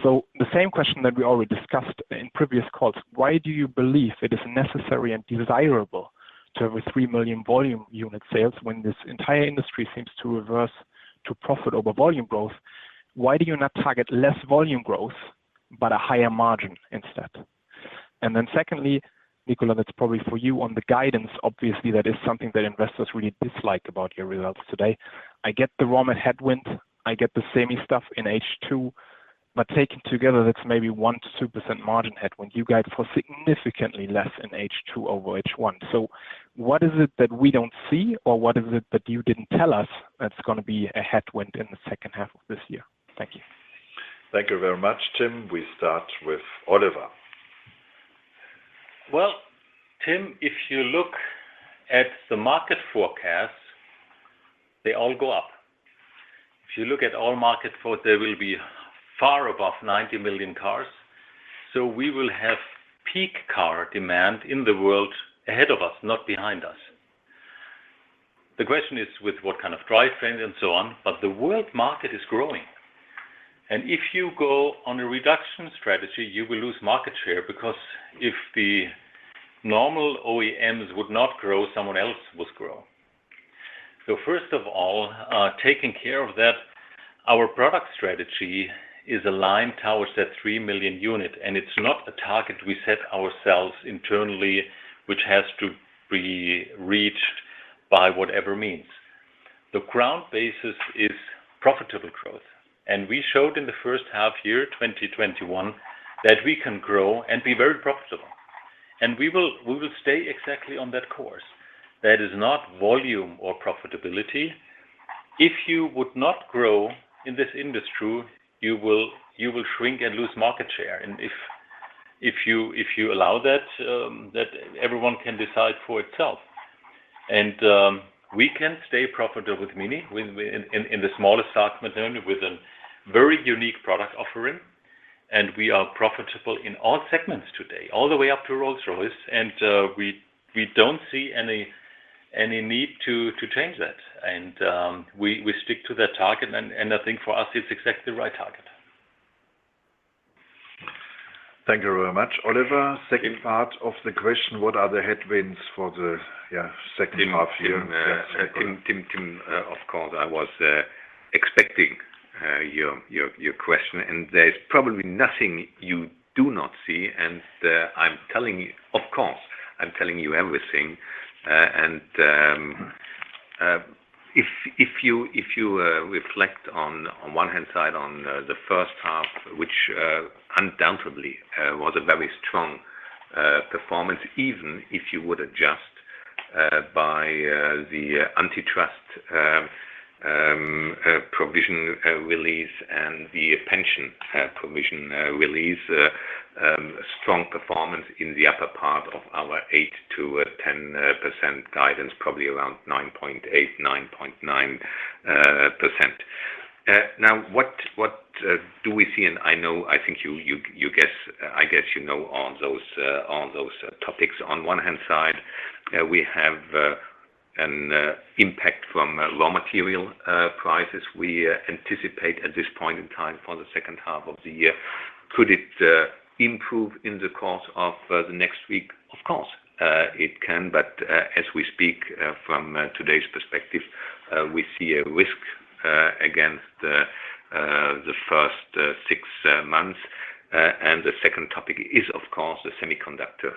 The same question that we already discussed in previous calls, why do you believe it is necessary and desirable to have a 3 million volume unit sales when this entire industry seems to reverse to profit over volume growth? Why do you not target less volume growth but a higher margin instead? Secondly, Nicolas, that's probably for you on the guidance. Obviously, that is something that investors really dislike about your results today. I get the raw material headwind. I get the semi stuff in H2. Taken together, that's maybe 1%-2% margin headwind. You guide for significantly less in H2 over H1. What is it that we don't see, or what is it that you didn't tell us that's going to be a headwind in the second half of this year? Thank you. Thank you very much, Tim. We start with Oliver. Well, Tim, if you look at the market forecast, they all go up. If you look at all market forecast, there will be far above 90 million cars. We will have peak car demand in the world ahead of us, not behind us. The question is with what kind of drivetrains and so on, but the world market is growing. If you go on a reduction strategy, you will lose market share because if the normal OEMs would not grow, someone else would grow. First of all, taking care of that, our product strategy is aligned towards that 3 million unit, and it's not a target we set ourselves internally, which has to be reached by whatever means. The ground basis is profitable growth. We showed in the first half year 2021 that we can grow and be very profitable. We will stay exactly on that course. That is not volume or profitability. If you would not grow in this industry, you will shrink and lose market share. If you allow that, everyone can decide for itself. We can stay profitable with MINI in the smaller segment only with a very unique product offering. We are profitable in all segments today, all the way up to Rolls-Royce, and we don't see any need to change that. We stick to that target, and I think for us it's exactly the right target. Thank you very much. Oliver, second part of the question, what are the headwinds for the second half year? Tim, of course, I was expecting your question. There is probably nothing you do not see. Of course, I'm telling you everything. If you reflect on one hand side on the first half, which undoubtedly was a very strong performance, even if you would adjust by the antitrust provision release and the pension provision release. A strong performance in the upper part of our 8%-10% guidance, probably around 9.8%, 9.9%. Now, what do we see? I think I guess you know on those topics. On one hand side, we have an impact from raw material prices. We anticipate at this point in time for the second half of the year. Could it improve in the course of the next week? Of course it can. As we speak from today's perspective, we see a risk against the first six months. The second topic is, of course, the semiconductor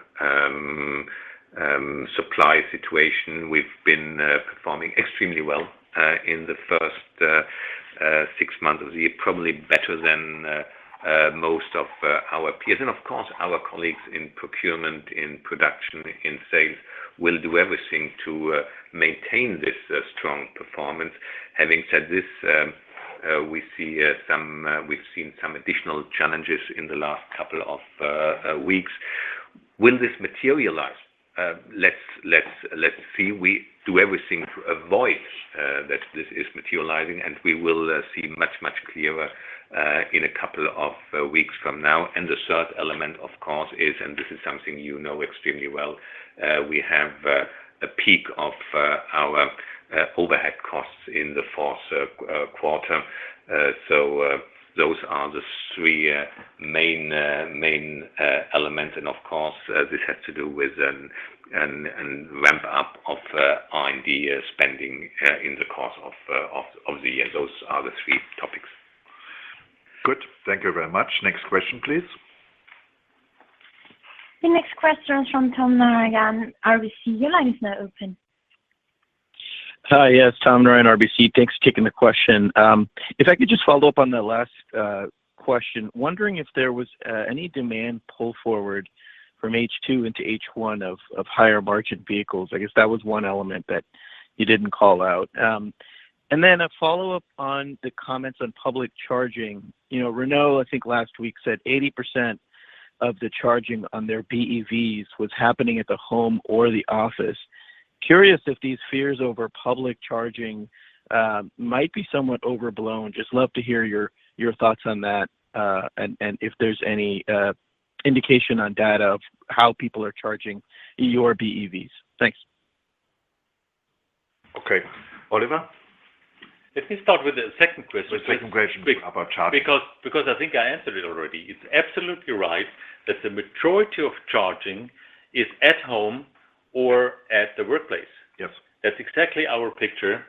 supply situation. We've been performing extremely well in the first six months of the year, probably better than most of our peers. Of course, our colleagues in procurement, in production, in sales will do everything to maintain this strong performance. Having said this, we've seen some additional challenges in the last couple of weeks. Will this materialize? Let's see. We do everything to avoid that this is materializing, and we will see much, much clearer in a couple of weeks from now. The third element, of course, is, and this is something you know extremely well, we have a peak of our overhead costs in the fourth quarter. Those are the three main elements. Of course, this has to do with a ramp up of R&D spending in the course of the year. Those are the three topics. Good. Thank you very much. Next question, please. The next question is from Tom Narayan, RBC. Your line is now open. Hi, yes, Tom Narayan, RBC. Thanks for taking the question. If I could just follow up on the last question, wondering if there was any demand pull forward from H2 into H1 of higher-margin vehicles. I guess that was one element that you didn't call out. A follow-up on the comments on public charging. Renault, I think last week, said 80% of the charging on their BEVs was happening at the home or the office. Curious if these fears over public charging might be somewhat overblown. Just love to hear your thoughts on that, and if there's any indication on data of how people are charging your BEVs. Thanks. Okay. Oliver? Let me start with the second question. The second question about charging. quick, because I think I answered it already. It's absolutely right that the majority of charging is at home or at the workplace. Yes. That's exactly our picture.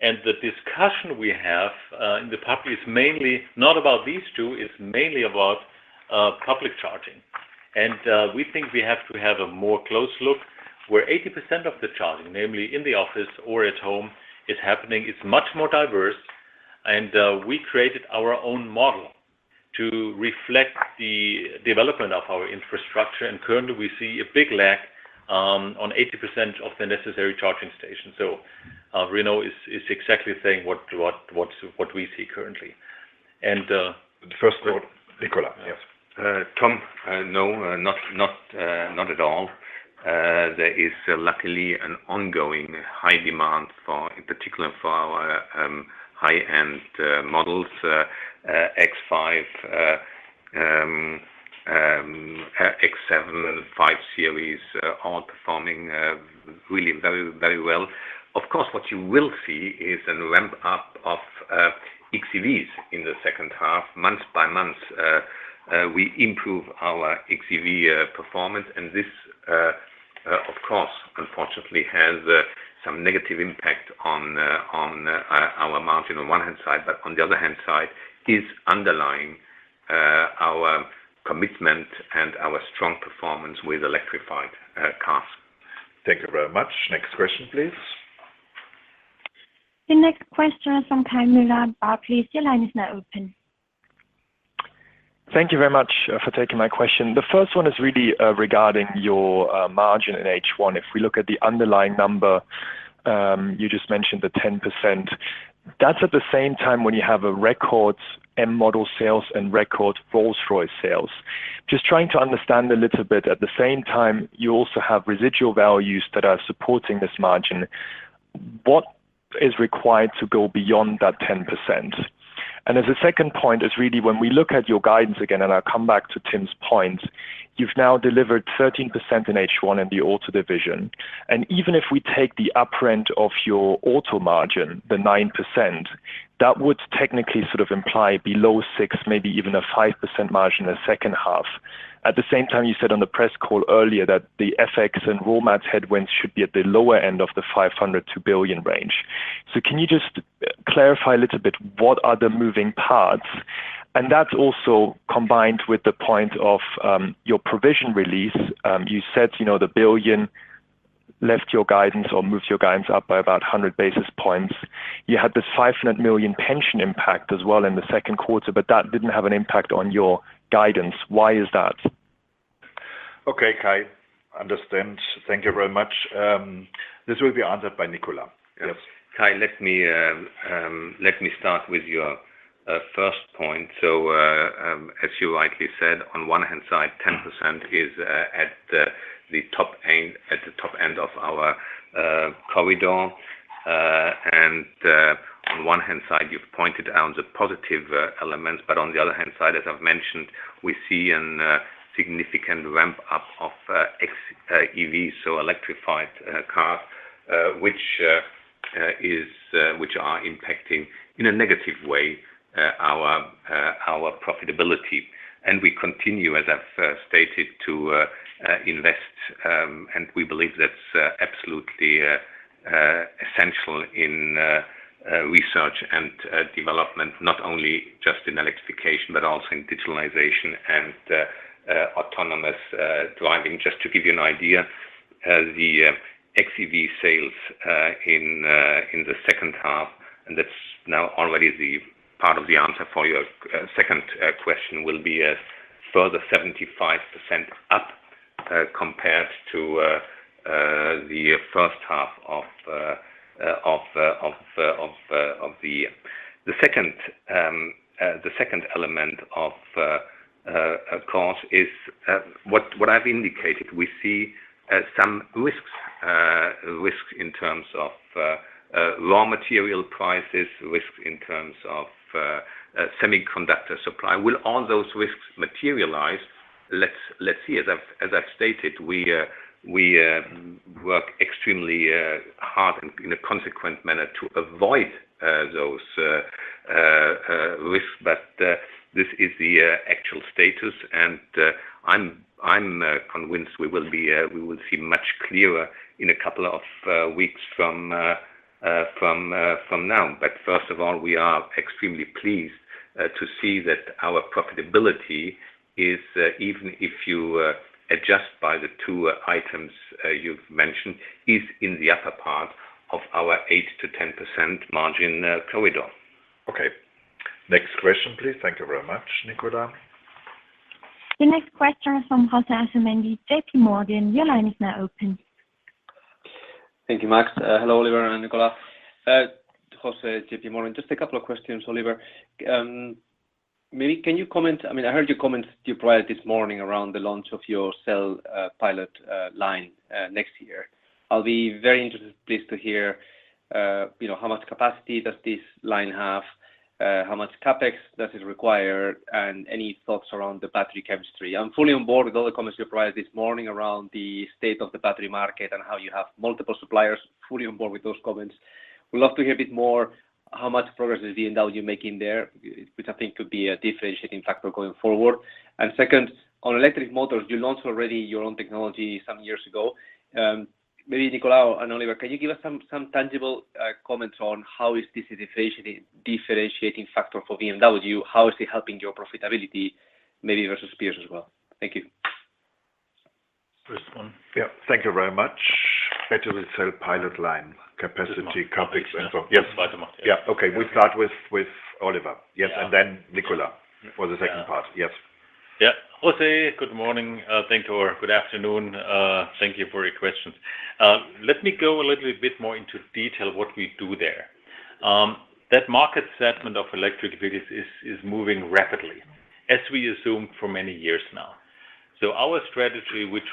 The discussion we have in the public is mainly not about these two, it's mainly about public charging. We think we have to have a more close look where 80% of the charging, namely in the office or at home, is happening. It's much more diverse. We created our own model to reflect the development of our infrastructure. Currently, we see a big lack on 80% of the necessary charging stations. Renault is exactly saying what we see currently. The first one. Nicolas, yes. Tom, no, not at all. There is luckily an ongoing high demand for, in particular for our high-end models. X5, X7 and 5 Series are performing really very well. Of course, what you will see is a ramp up of xEVs in the second half. Month by month, we improve our xEV performance. This, of course, unfortunately, has some negative impact on our margin on one hand side, but on the other hand side, is underlying our commitment and our strong performance with electrified cars. Thank you very much. Next question, please. The next question is from Kamila Barber. Please, your line is now open. Thank you very much for taking my question. The first one is really regarding your margin in H1. If we look at the underlying number, you just mentioned the 10%. That's at the same time when you have a record M model sales and record Rolls-Royce sales. Just trying to understand a little bit. At the same time, you also have residual values that are supporting this margin. What is required to go beyond that 10%? As a second point is really when we look at your guidance again, and I'll come back to Tim's point, you've now delivered 13% in H1 in the auto division, and even if we take the upfront of your auto margin, the 9%, that would technically sort of imply below 6%, maybe even a 5% margin in the second half. At the same time, you said on the press call earlier that the FX and raw mats headwinds should be at the lower end of the 500 million-1 billion range. Can you just clarify a little bit what are the moving parts? That's also combined with the point of your provision release. You said the 1 billion left your guidance or moved your guidance up by about 100 basis points. You had this 500 million pension impact as well in the second quarter, but that didn't have an impact on your guidance. Why is that? Okay, Kai. Understand. Thank you very much. This will be answered by Nicolas. Yes. Yes. Kai, let me start with your first point. As you rightly said, on one-hand side, 10% is at the top end of our corridor. On one-hand side, you've pointed out the positive elements, but on the other hand side, as I've mentioned, we see a significant ramp-up of xEV, so electrified cars, which are impacting, in a negative way, our profitability. We continue, as I've stated, to invest, and we believe that's absolutely essential in research and development, not only just in electrification, but also in digitalization and autonomous driving. Just to give you an idea, the xEV sales in the second half, and that's now already the part of the answer for your second question, will be a further 75% up, compared to the first half of the year. The second element, of course, is what I've indicated. We see some risks. Risks in terms of raw material prices, risks in terms of semiconductor supply. Will all those risks materialize? Let's see. As I've stated, we work extremely hard and in a consequent manner to avoid those risks, but this is the actual status, and I'm convinced we will see much clearer in a couple of weeks from now. First of all, we are extremely pleased to see that our profitability is, even if you adjust by the two items you've mentioned, is in the upper part of our 8%-10% margin corridor. Okay. Next question, please. Thank you very much, Nicolas. The next question is from José Asumendi, JPMorgan. Your line is now open. Thank you, Max. Hello, Oliver and Nicolas. José, JPMorgan. Just a couple of questions, Oliver. I heard your comments you provided this morning around the launch of your cell pilot line next year. I'll be very interested, pleased to hear how much capacity does this line have, how much CapEx that is required, and any thoughts around the battery chemistry. I'm fully on board with all the comments you provided this morning around the state of the battery market and how you have multiple suppliers. Fully on board with those comments. Would love to hear a bit more how much progress is BMW making there, which I think could be a differentiating factor going forward. Second, on electric motors, you launched already your own technology some years ago. Maybe Nicolas and Oliver, can you give us some tangible comments on how is this a differentiating factor for BMW? How is it helping your profitability, maybe versus peers as well? Thank you. First one. Yeah. Thank you very much. Battery cell pilot line capacity, CapEx. This one. Yes. By the market. Okay. We start with Oliver. Yes. Nicolas for the second part. Yes. Yeah. José, good morning. Thank you. Or good afternoon. Thank you for your questions. Let me go a little bit more into detail what we do there. That market segment of electric vehicles is moving rapidly, as we assumed for many years now. Our strategy, which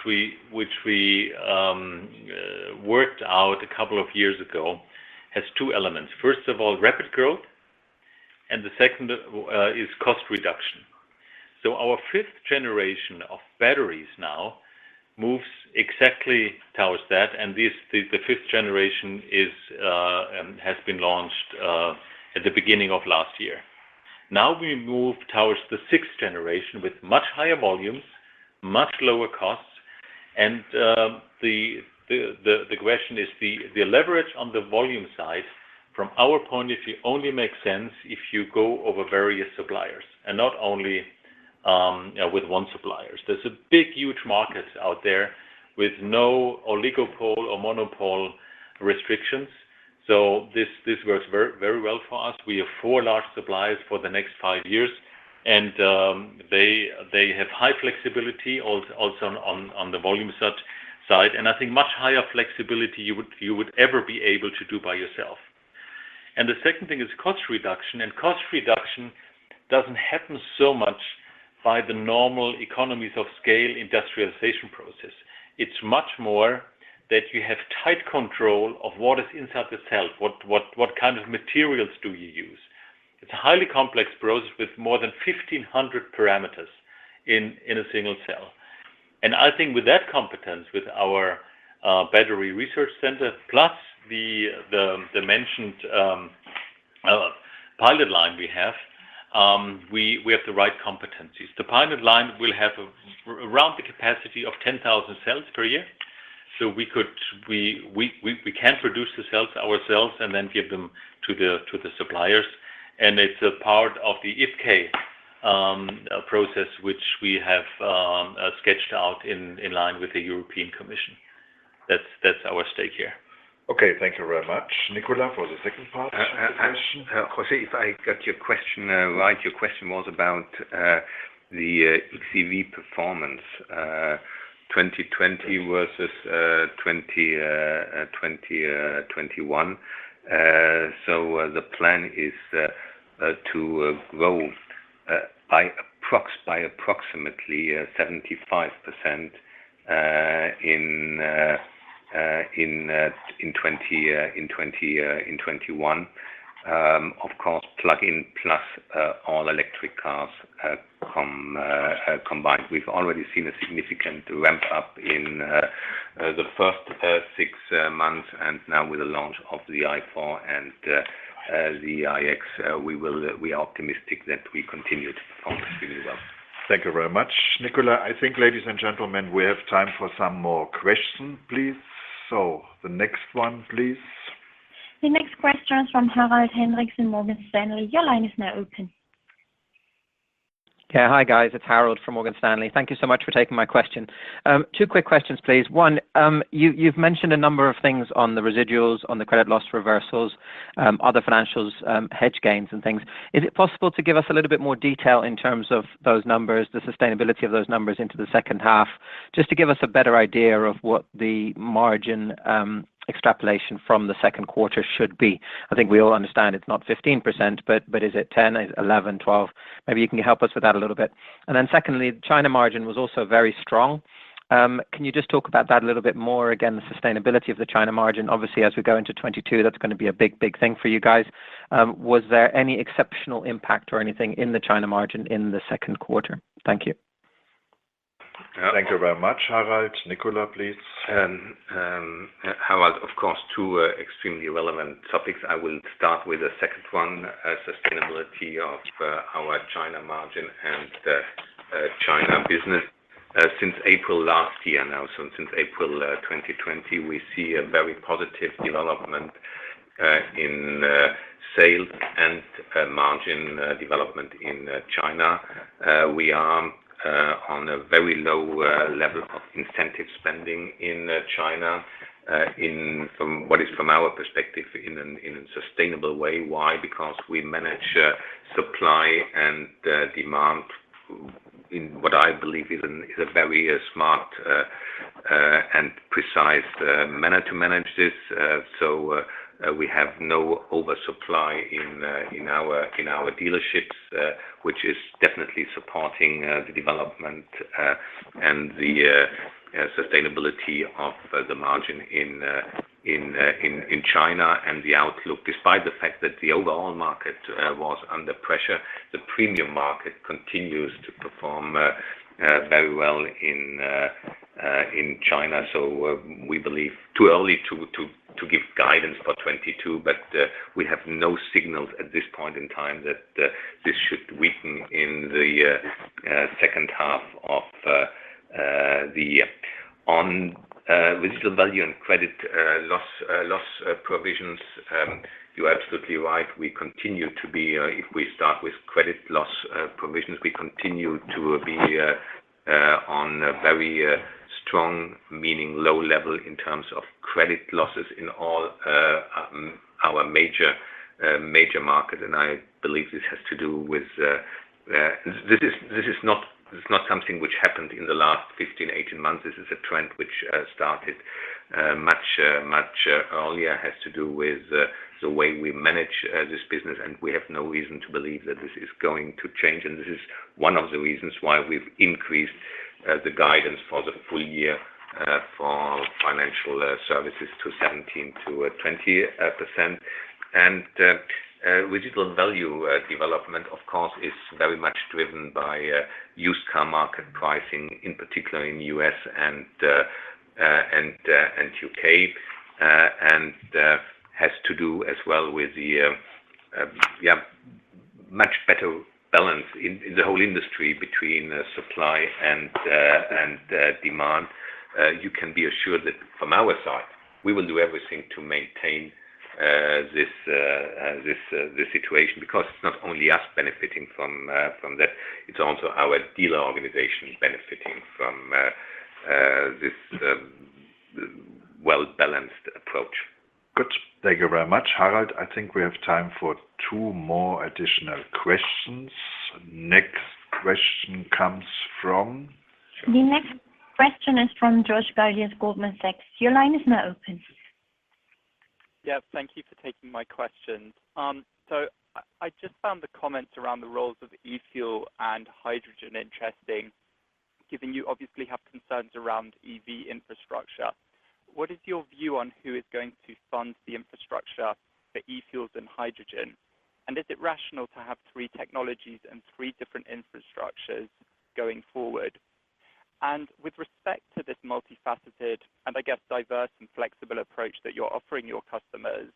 we worked out a couple of years ago, has two elements. First of all, rapid growth, and the second is cost reduction. Our fifth generation of batteries now moves exactly towards that, and the fifth generation has been launched at the beginning of last year. Now we move towards the sixth generation with much higher volumes, much lower costs, and the question is the leverage on the volume side from our point of view only makes sense if you go over various suppliers and not only with one supplier. There is a big, huge market out there with no oligopoly or monopoly restrictions. This works very well for us. We have four large suppliers for the next five years, and they have high flexibility also on the volume side. I think much higher flexibility you would ever be able to do by yourself The second thing is cost reduction. Cost reduction doesn't happen so much by the normal economies of scale industrialization process. It's much more that you have tight control of what is inside the cell. What kind of materials do you use? It's a highly complex process with more than 1,500 parameters in a single cell. I think with that competence, with our battery research center, plus the mentioned pilot line we have, we have the right competencies. The pilot line will have around the capacity of 10,000 cells per year. We can produce the cells ourselves and then give them to the suppliers. It's a part of the IPCEI process, which we have sketched out in line with the European Commission. That's our stake here. Okay. Thank you very much. Nicolas for the second part of the question. José, if I got your question right, your question was about the xEV performance 2020 versus 2021. The plan is to grow by approximately 75% in 2021. Of course, plug-in plus all-electric cars combined. We've already seen a significant ramp-up in the first six months, and now with the launch of the i4 and the iX, we are optimistic that we continue to perform really well. Thank you very much, Nicolas Peter. I think, ladies and gentlemen, we have time for some more question, please. The next one, please. The next question is from Harald Hendrikse from Morgan Stanley. Your line is now open. Hi, guys. It's Harald from Morgan Stanley. Thank you so much for taking my question. Two quick questions, please. One, you've mentioned a number of things on the residuals, on the credit loss reversals, other financials, hedge gains and things. Is it possible to give us a little bit more detail in terms of those numbers, the sustainability of those numbers into the second half, just to give us a better idea of what the margin extrapolation from the second quarter should be? I think we all understand it's not 15%, but is it 10%, 11%, 12%? Maybe you can help us with that a little bit. Secondly, China margin was also very strong. Can you just talk about that a little bit more? Again, the sustainability of the China margin. As we go into 2022, that's going to be a big thing for you guys. Was there any exceptional impact or anything in the China margin in the second quarter? Thank you. Thank you very much, Harald. Nicolas, please. Harald, of course, two extremely relevant topics. I will start with the second one, sustainability of our China margin and China business. Since April last year now, so since April 2020, we see a very positive development in sales and margin development in China. We are on a very low level of incentive spending in China, in what is from our perspective, in a sustainable way. Why? Because we manage supply and demand in what I believe is a very smart and precise manner to manage this. We have no oversupply in our dealerships, which is definitely supporting the development and the sustainability of the margin in China and the outlook. Despite the fact that the overall market was under pressure, the premium market continues to perform very well in China. We believe too early to give guidance for 2022, but we have no signals at this point in time that this should weaken in the second half of the year. On residual value and credit loss provisions, you are absolutely right. We continue to be, if we start with credit loss provisions, we continue to be on very strong, meaning low level in terms of credit losses in all our major market. I believe this is not something which happened in the last 15, 18 months. This is a trend which started much earlier, has to do with the way we manage this business, and we have no reason to believe that this is going to change. This is one of the reasons why we have increased the guidance for the full year for financial services to 17%-20%. Residual value development, of course, is very much driven by used car market pricing, in particular in U.S. and U.K., and has to do as well with the much better balance in the whole industry between supply and demand. You can be assured that from our side, we will do everything to maintain this situation, because it's not only us benefiting from that, it's also our dealer organization benefiting from this well-balanced approach. Good. Thank you very much, Harald. I think we have time for two more additional questions. Next question comes from The next question is from George Galliers, Goldman Sachs. Your line is now open. Thank you for taking my questions. I just found the comments around the roles of e-fuel and hydrogen interesting, given you obviously have concerns around EV infrastructure. What is your view on who is going to fund the infrastructure for e-fuels and hydrogen? Is it rational to have three technologies and three different infrastructures going forward? With respect to this multifaceted, and I guess diverse and flexible approach that you're offering your customers,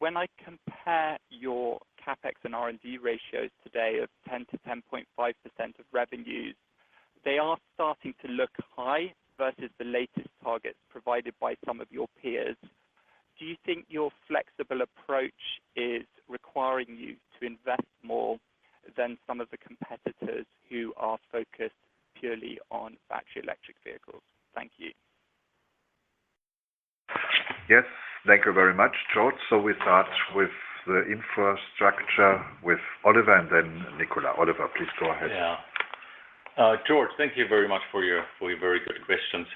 when I compare your CapEx and R&D ratios today of 10%-10.5% of revenues, they are starting to look high versus the latest targets provided by some of your peers. Do you think your flexible approach is requiring you to invest more than some of the competitors who are focused purely on battery electric vehicles? Thank you. Yes, thank you very much, George. We start with the infrastructure with Oliver and then Nicolas Peter. Oliver, please go ahead. George, thank you very much for your very good questions.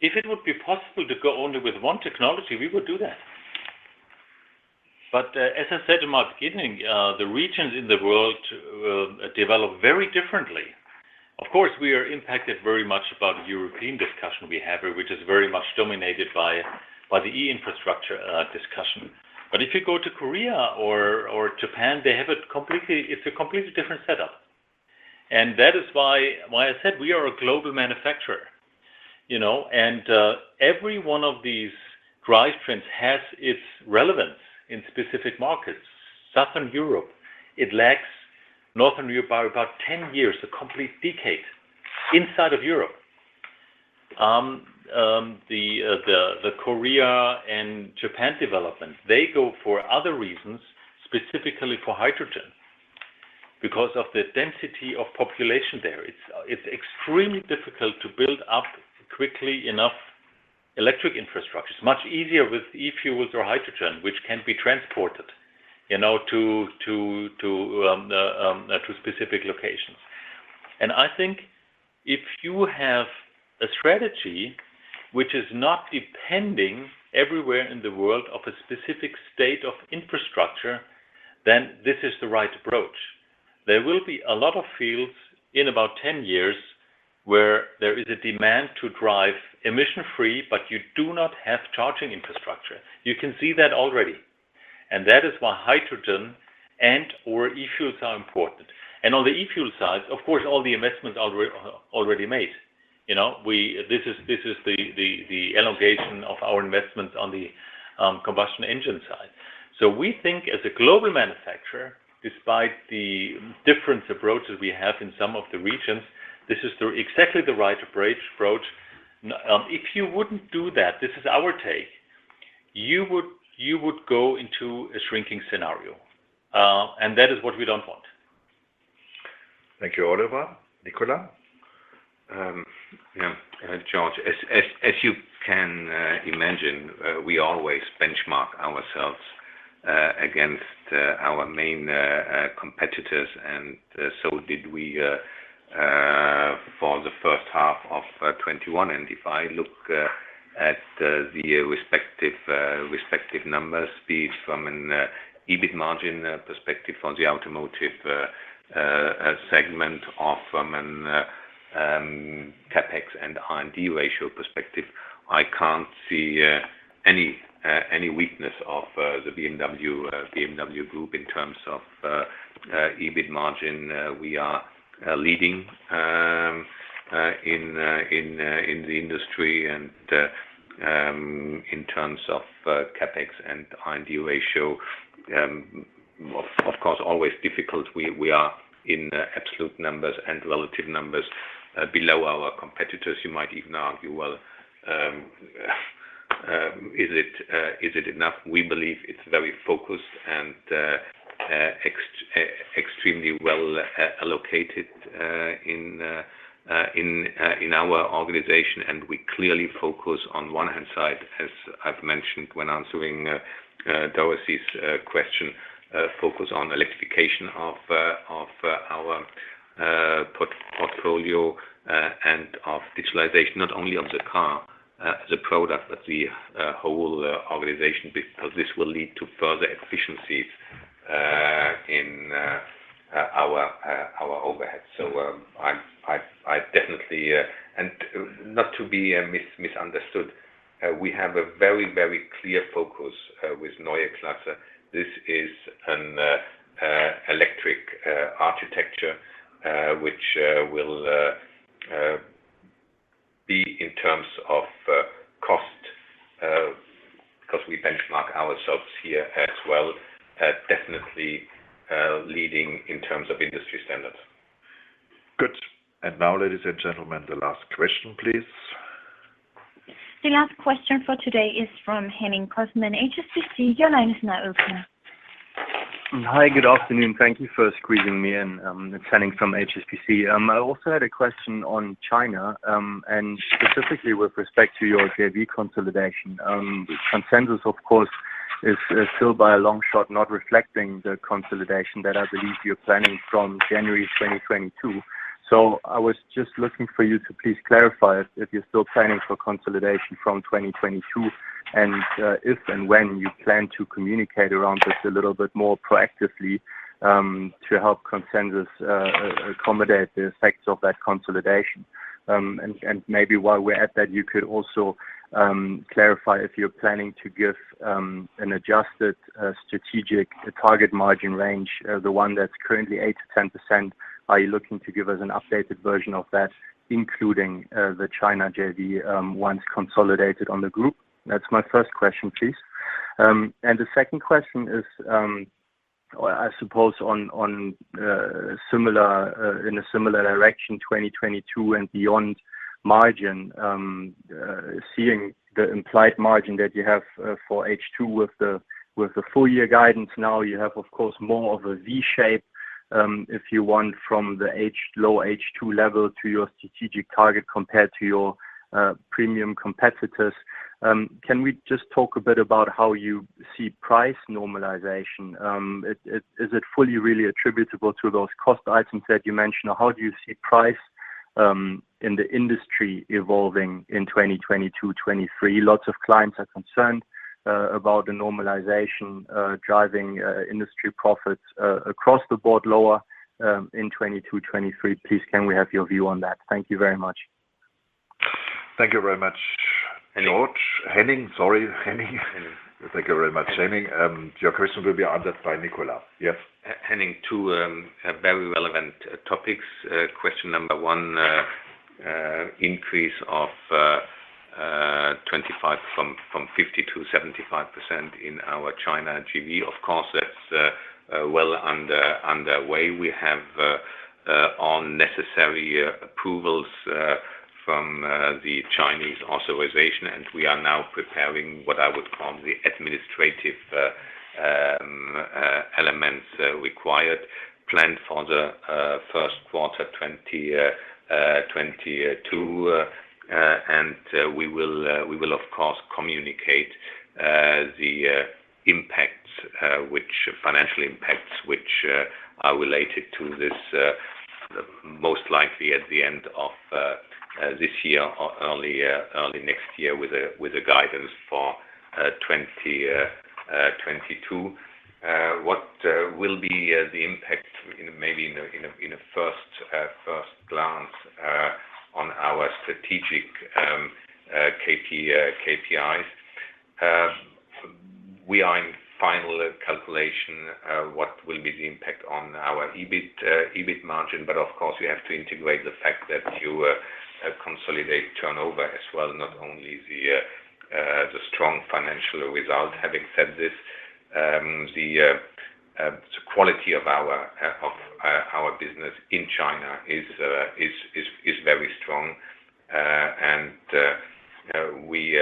If it would be possible to go only with one technology, we would do that. As I said in my beginning, the regions in the world develop very differently. Of course, we are impacted very much about the European discussion we have, which is very much dominated by the e-infrastructure discussion. If you go to Korea or Japan, it's a completely different setup. That is why I said we are a global manufacturer. Every one of these drive trends has its relevance in specific markets. Southern Europe, it lags Northern Europe by about 10 years, a complete decade inside of Europe. The Korea and Japan development, they go for other reasons, specifically for hydrogen, because of the density of population there. It's extremely difficult to build up quickly enough electric infrastructure. It's much easier with e-fuels or hydrogen, which can be transported to specific locations. I think if you have a strategy which is not depending everywhere in the world of a specific state of infrastructure, this is the right approach. There will be a lot of fields in about 10 years where there is a demand to drive emission-free, but you do not have charging infrastructure. You can see that already, that is why hydrogen and/or e-fuels are important. On the e-fuel side, of course, all the investments are already made. This is the elongation of our investments on the combustion engine side. We think as a global manufacturer, despite the different approaches we have in some of the regions, this is exactly the right approach. If you wouldn't do that, this is our take, you would go into a shrinking scenario. That is what we don't want. Thank you, Oliver. Nicolas? George, as you can imagine, we always benchmark ourselves against our main competitors and so did we for the first half of 2021. If I look at the respective numbers, be it from an EBIT margin perspective on the automotive segment or from an CapEx and R&D ratio perspective, I can't see any weakness of the BMW Group in terms of EBIT margin. We are leading in the industry. In terms of CapEx and R&D ratio, of course, always difficult. We are in absolute numbers and relative numbers below our competitors. You might even argue, well is it enough? We believe it's very focused and extremely well allocated in our organization, and we clearly focus on one hand side, as I've mentioned when answering Dorothee's question, focus on electrification of our portfolio, and of digitalization, not only on the car, the product, but the whole organization, because this will lead to further efficiencies in our overhead. Not to be misunderstood, we have a very clear focus with Neue Klasse. This is an electric architecture which will be in terms of cost, because we benchmark ourselves here as well, definitely leading in terms of industry standards. Good. Now, ladies and gentlemen, the last question, please. The last question for today is from Henning Cosman, HSBC. Your line is now open. Hi, good afternoon. Thank you for squeezing me in. It's Henning from HSBC. I also had a question on China, specifically with respect to your JV consolidation. Consensus, of course, is still by a long shot not reflecting the consolidation that I believe you're planning from January 2022. I was just looking for you to please clarify if you're still planning for consolidation from 2022, and if and when you plan to communicate around this a little bit more proactively, to help consensus accommodate the effects of that consolidation. Maybe while we're at that, you could also clarify if you're planning to give an adjusted strategic target margin range, the one that's currently 8%-10%. Are you looking to give us an updated version of that, including the China JV, once consolidated on the group? That's my first question, please. The second question is, I suppose in a similar direction, 2022 and beyond margin. I am seeing the implied margin that you have for H2 with the full year guidance. You have, of course, more of a V shape, if you want, from the low H2 level to your strategic target compared to your premium competitors. Can we just talk a bit about how you see price normalization? Is it fully really attributable to those cost items that you mentioned, or how do you see price in the industry evolving in 2022, 2023? Lots of clients are concerned about the normalization driving industry profits across the board lower in 2022, 2023. Please, can we have your view on that? Thank you very much. Thank you very much, George. Henning. Sorry, Henning. Henning. Thank you very much, Henning. Your question will be answered by Nicolas. Yes. Henning, two very relevant topics. Question number one, increase of 25, from 50 to 75% in our China JV. Of course, that's well underway. We have all necessary approvals from the Chinese authorization, we are now preparing what I would call the administrative elements required, planned for the first quarter 2022. We will of course communicate the financial impacts which are related to this, most likely at the end of this year or early next year with a guidance for 2022. What will be the impact in maybe in a first glance on our strategic KPIs? We are in final calculation what will be the impact on our EBIT margin, but of course, we have to integrate the fact that you consolidate turnover as well, not only the strong financial result. Having said this, the quality of our business in China is very strong. We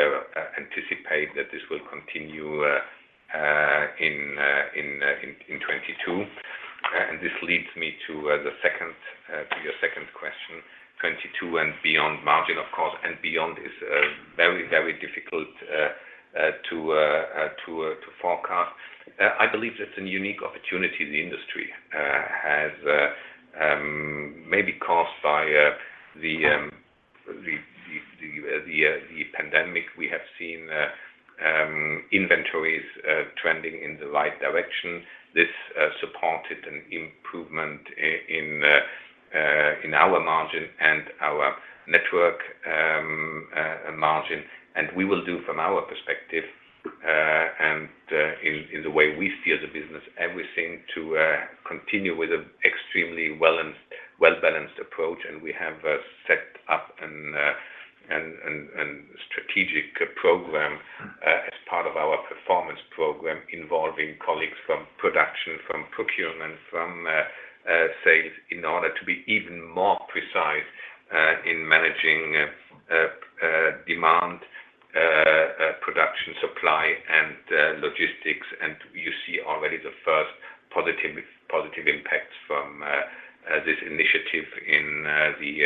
anticipate that this will continue in 2022. This leads me to your second question, 2022 and beyond margin, of course, and beyond is very difficult to forecast. I believe that's a unique opportunity the industry has, maybe caused by the pandemic. We have seen inventories trending in the right direction. This supported an improvement in our margin and our network margin. We will do, from our perspective, and in the way we see as a business, everything to continue with an extremely well-balanced approach, and we have set up a strategic program as part of our performance program involving colleagues from production, from procurement, from sales, in order to be even more precise in managing demand, production, supply, and logistics. You see already the first positive impacts from this initiative in the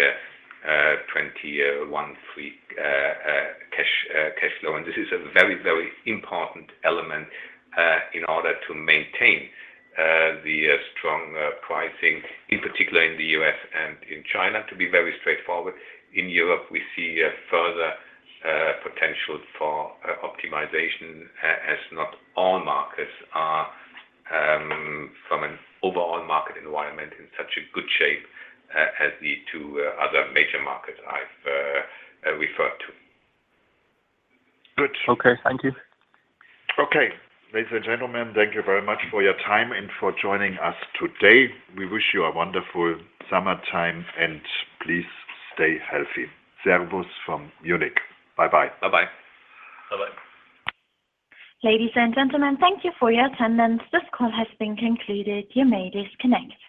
2021 free cash flow. This is a very important element in order to maintain the strong pricing, in particular in the U.S. and in China, to be very straightforward. In Europe, we see a further potential for optimization as not all markets are from an overall market environment in such a good shape as the two other major markets I've referred to. Good. Okay. Thank you. Okay. Ladies and gentlemen, thank you very much for your time and for joining us today. We wish you a wonderful summertime, and please stay healthy. Servus from Munich. Bye-bye. Bye-bye. Bye-bye. Ladies and gentlemen, thank you for your attendance. This call has been concluded. You may disconnect.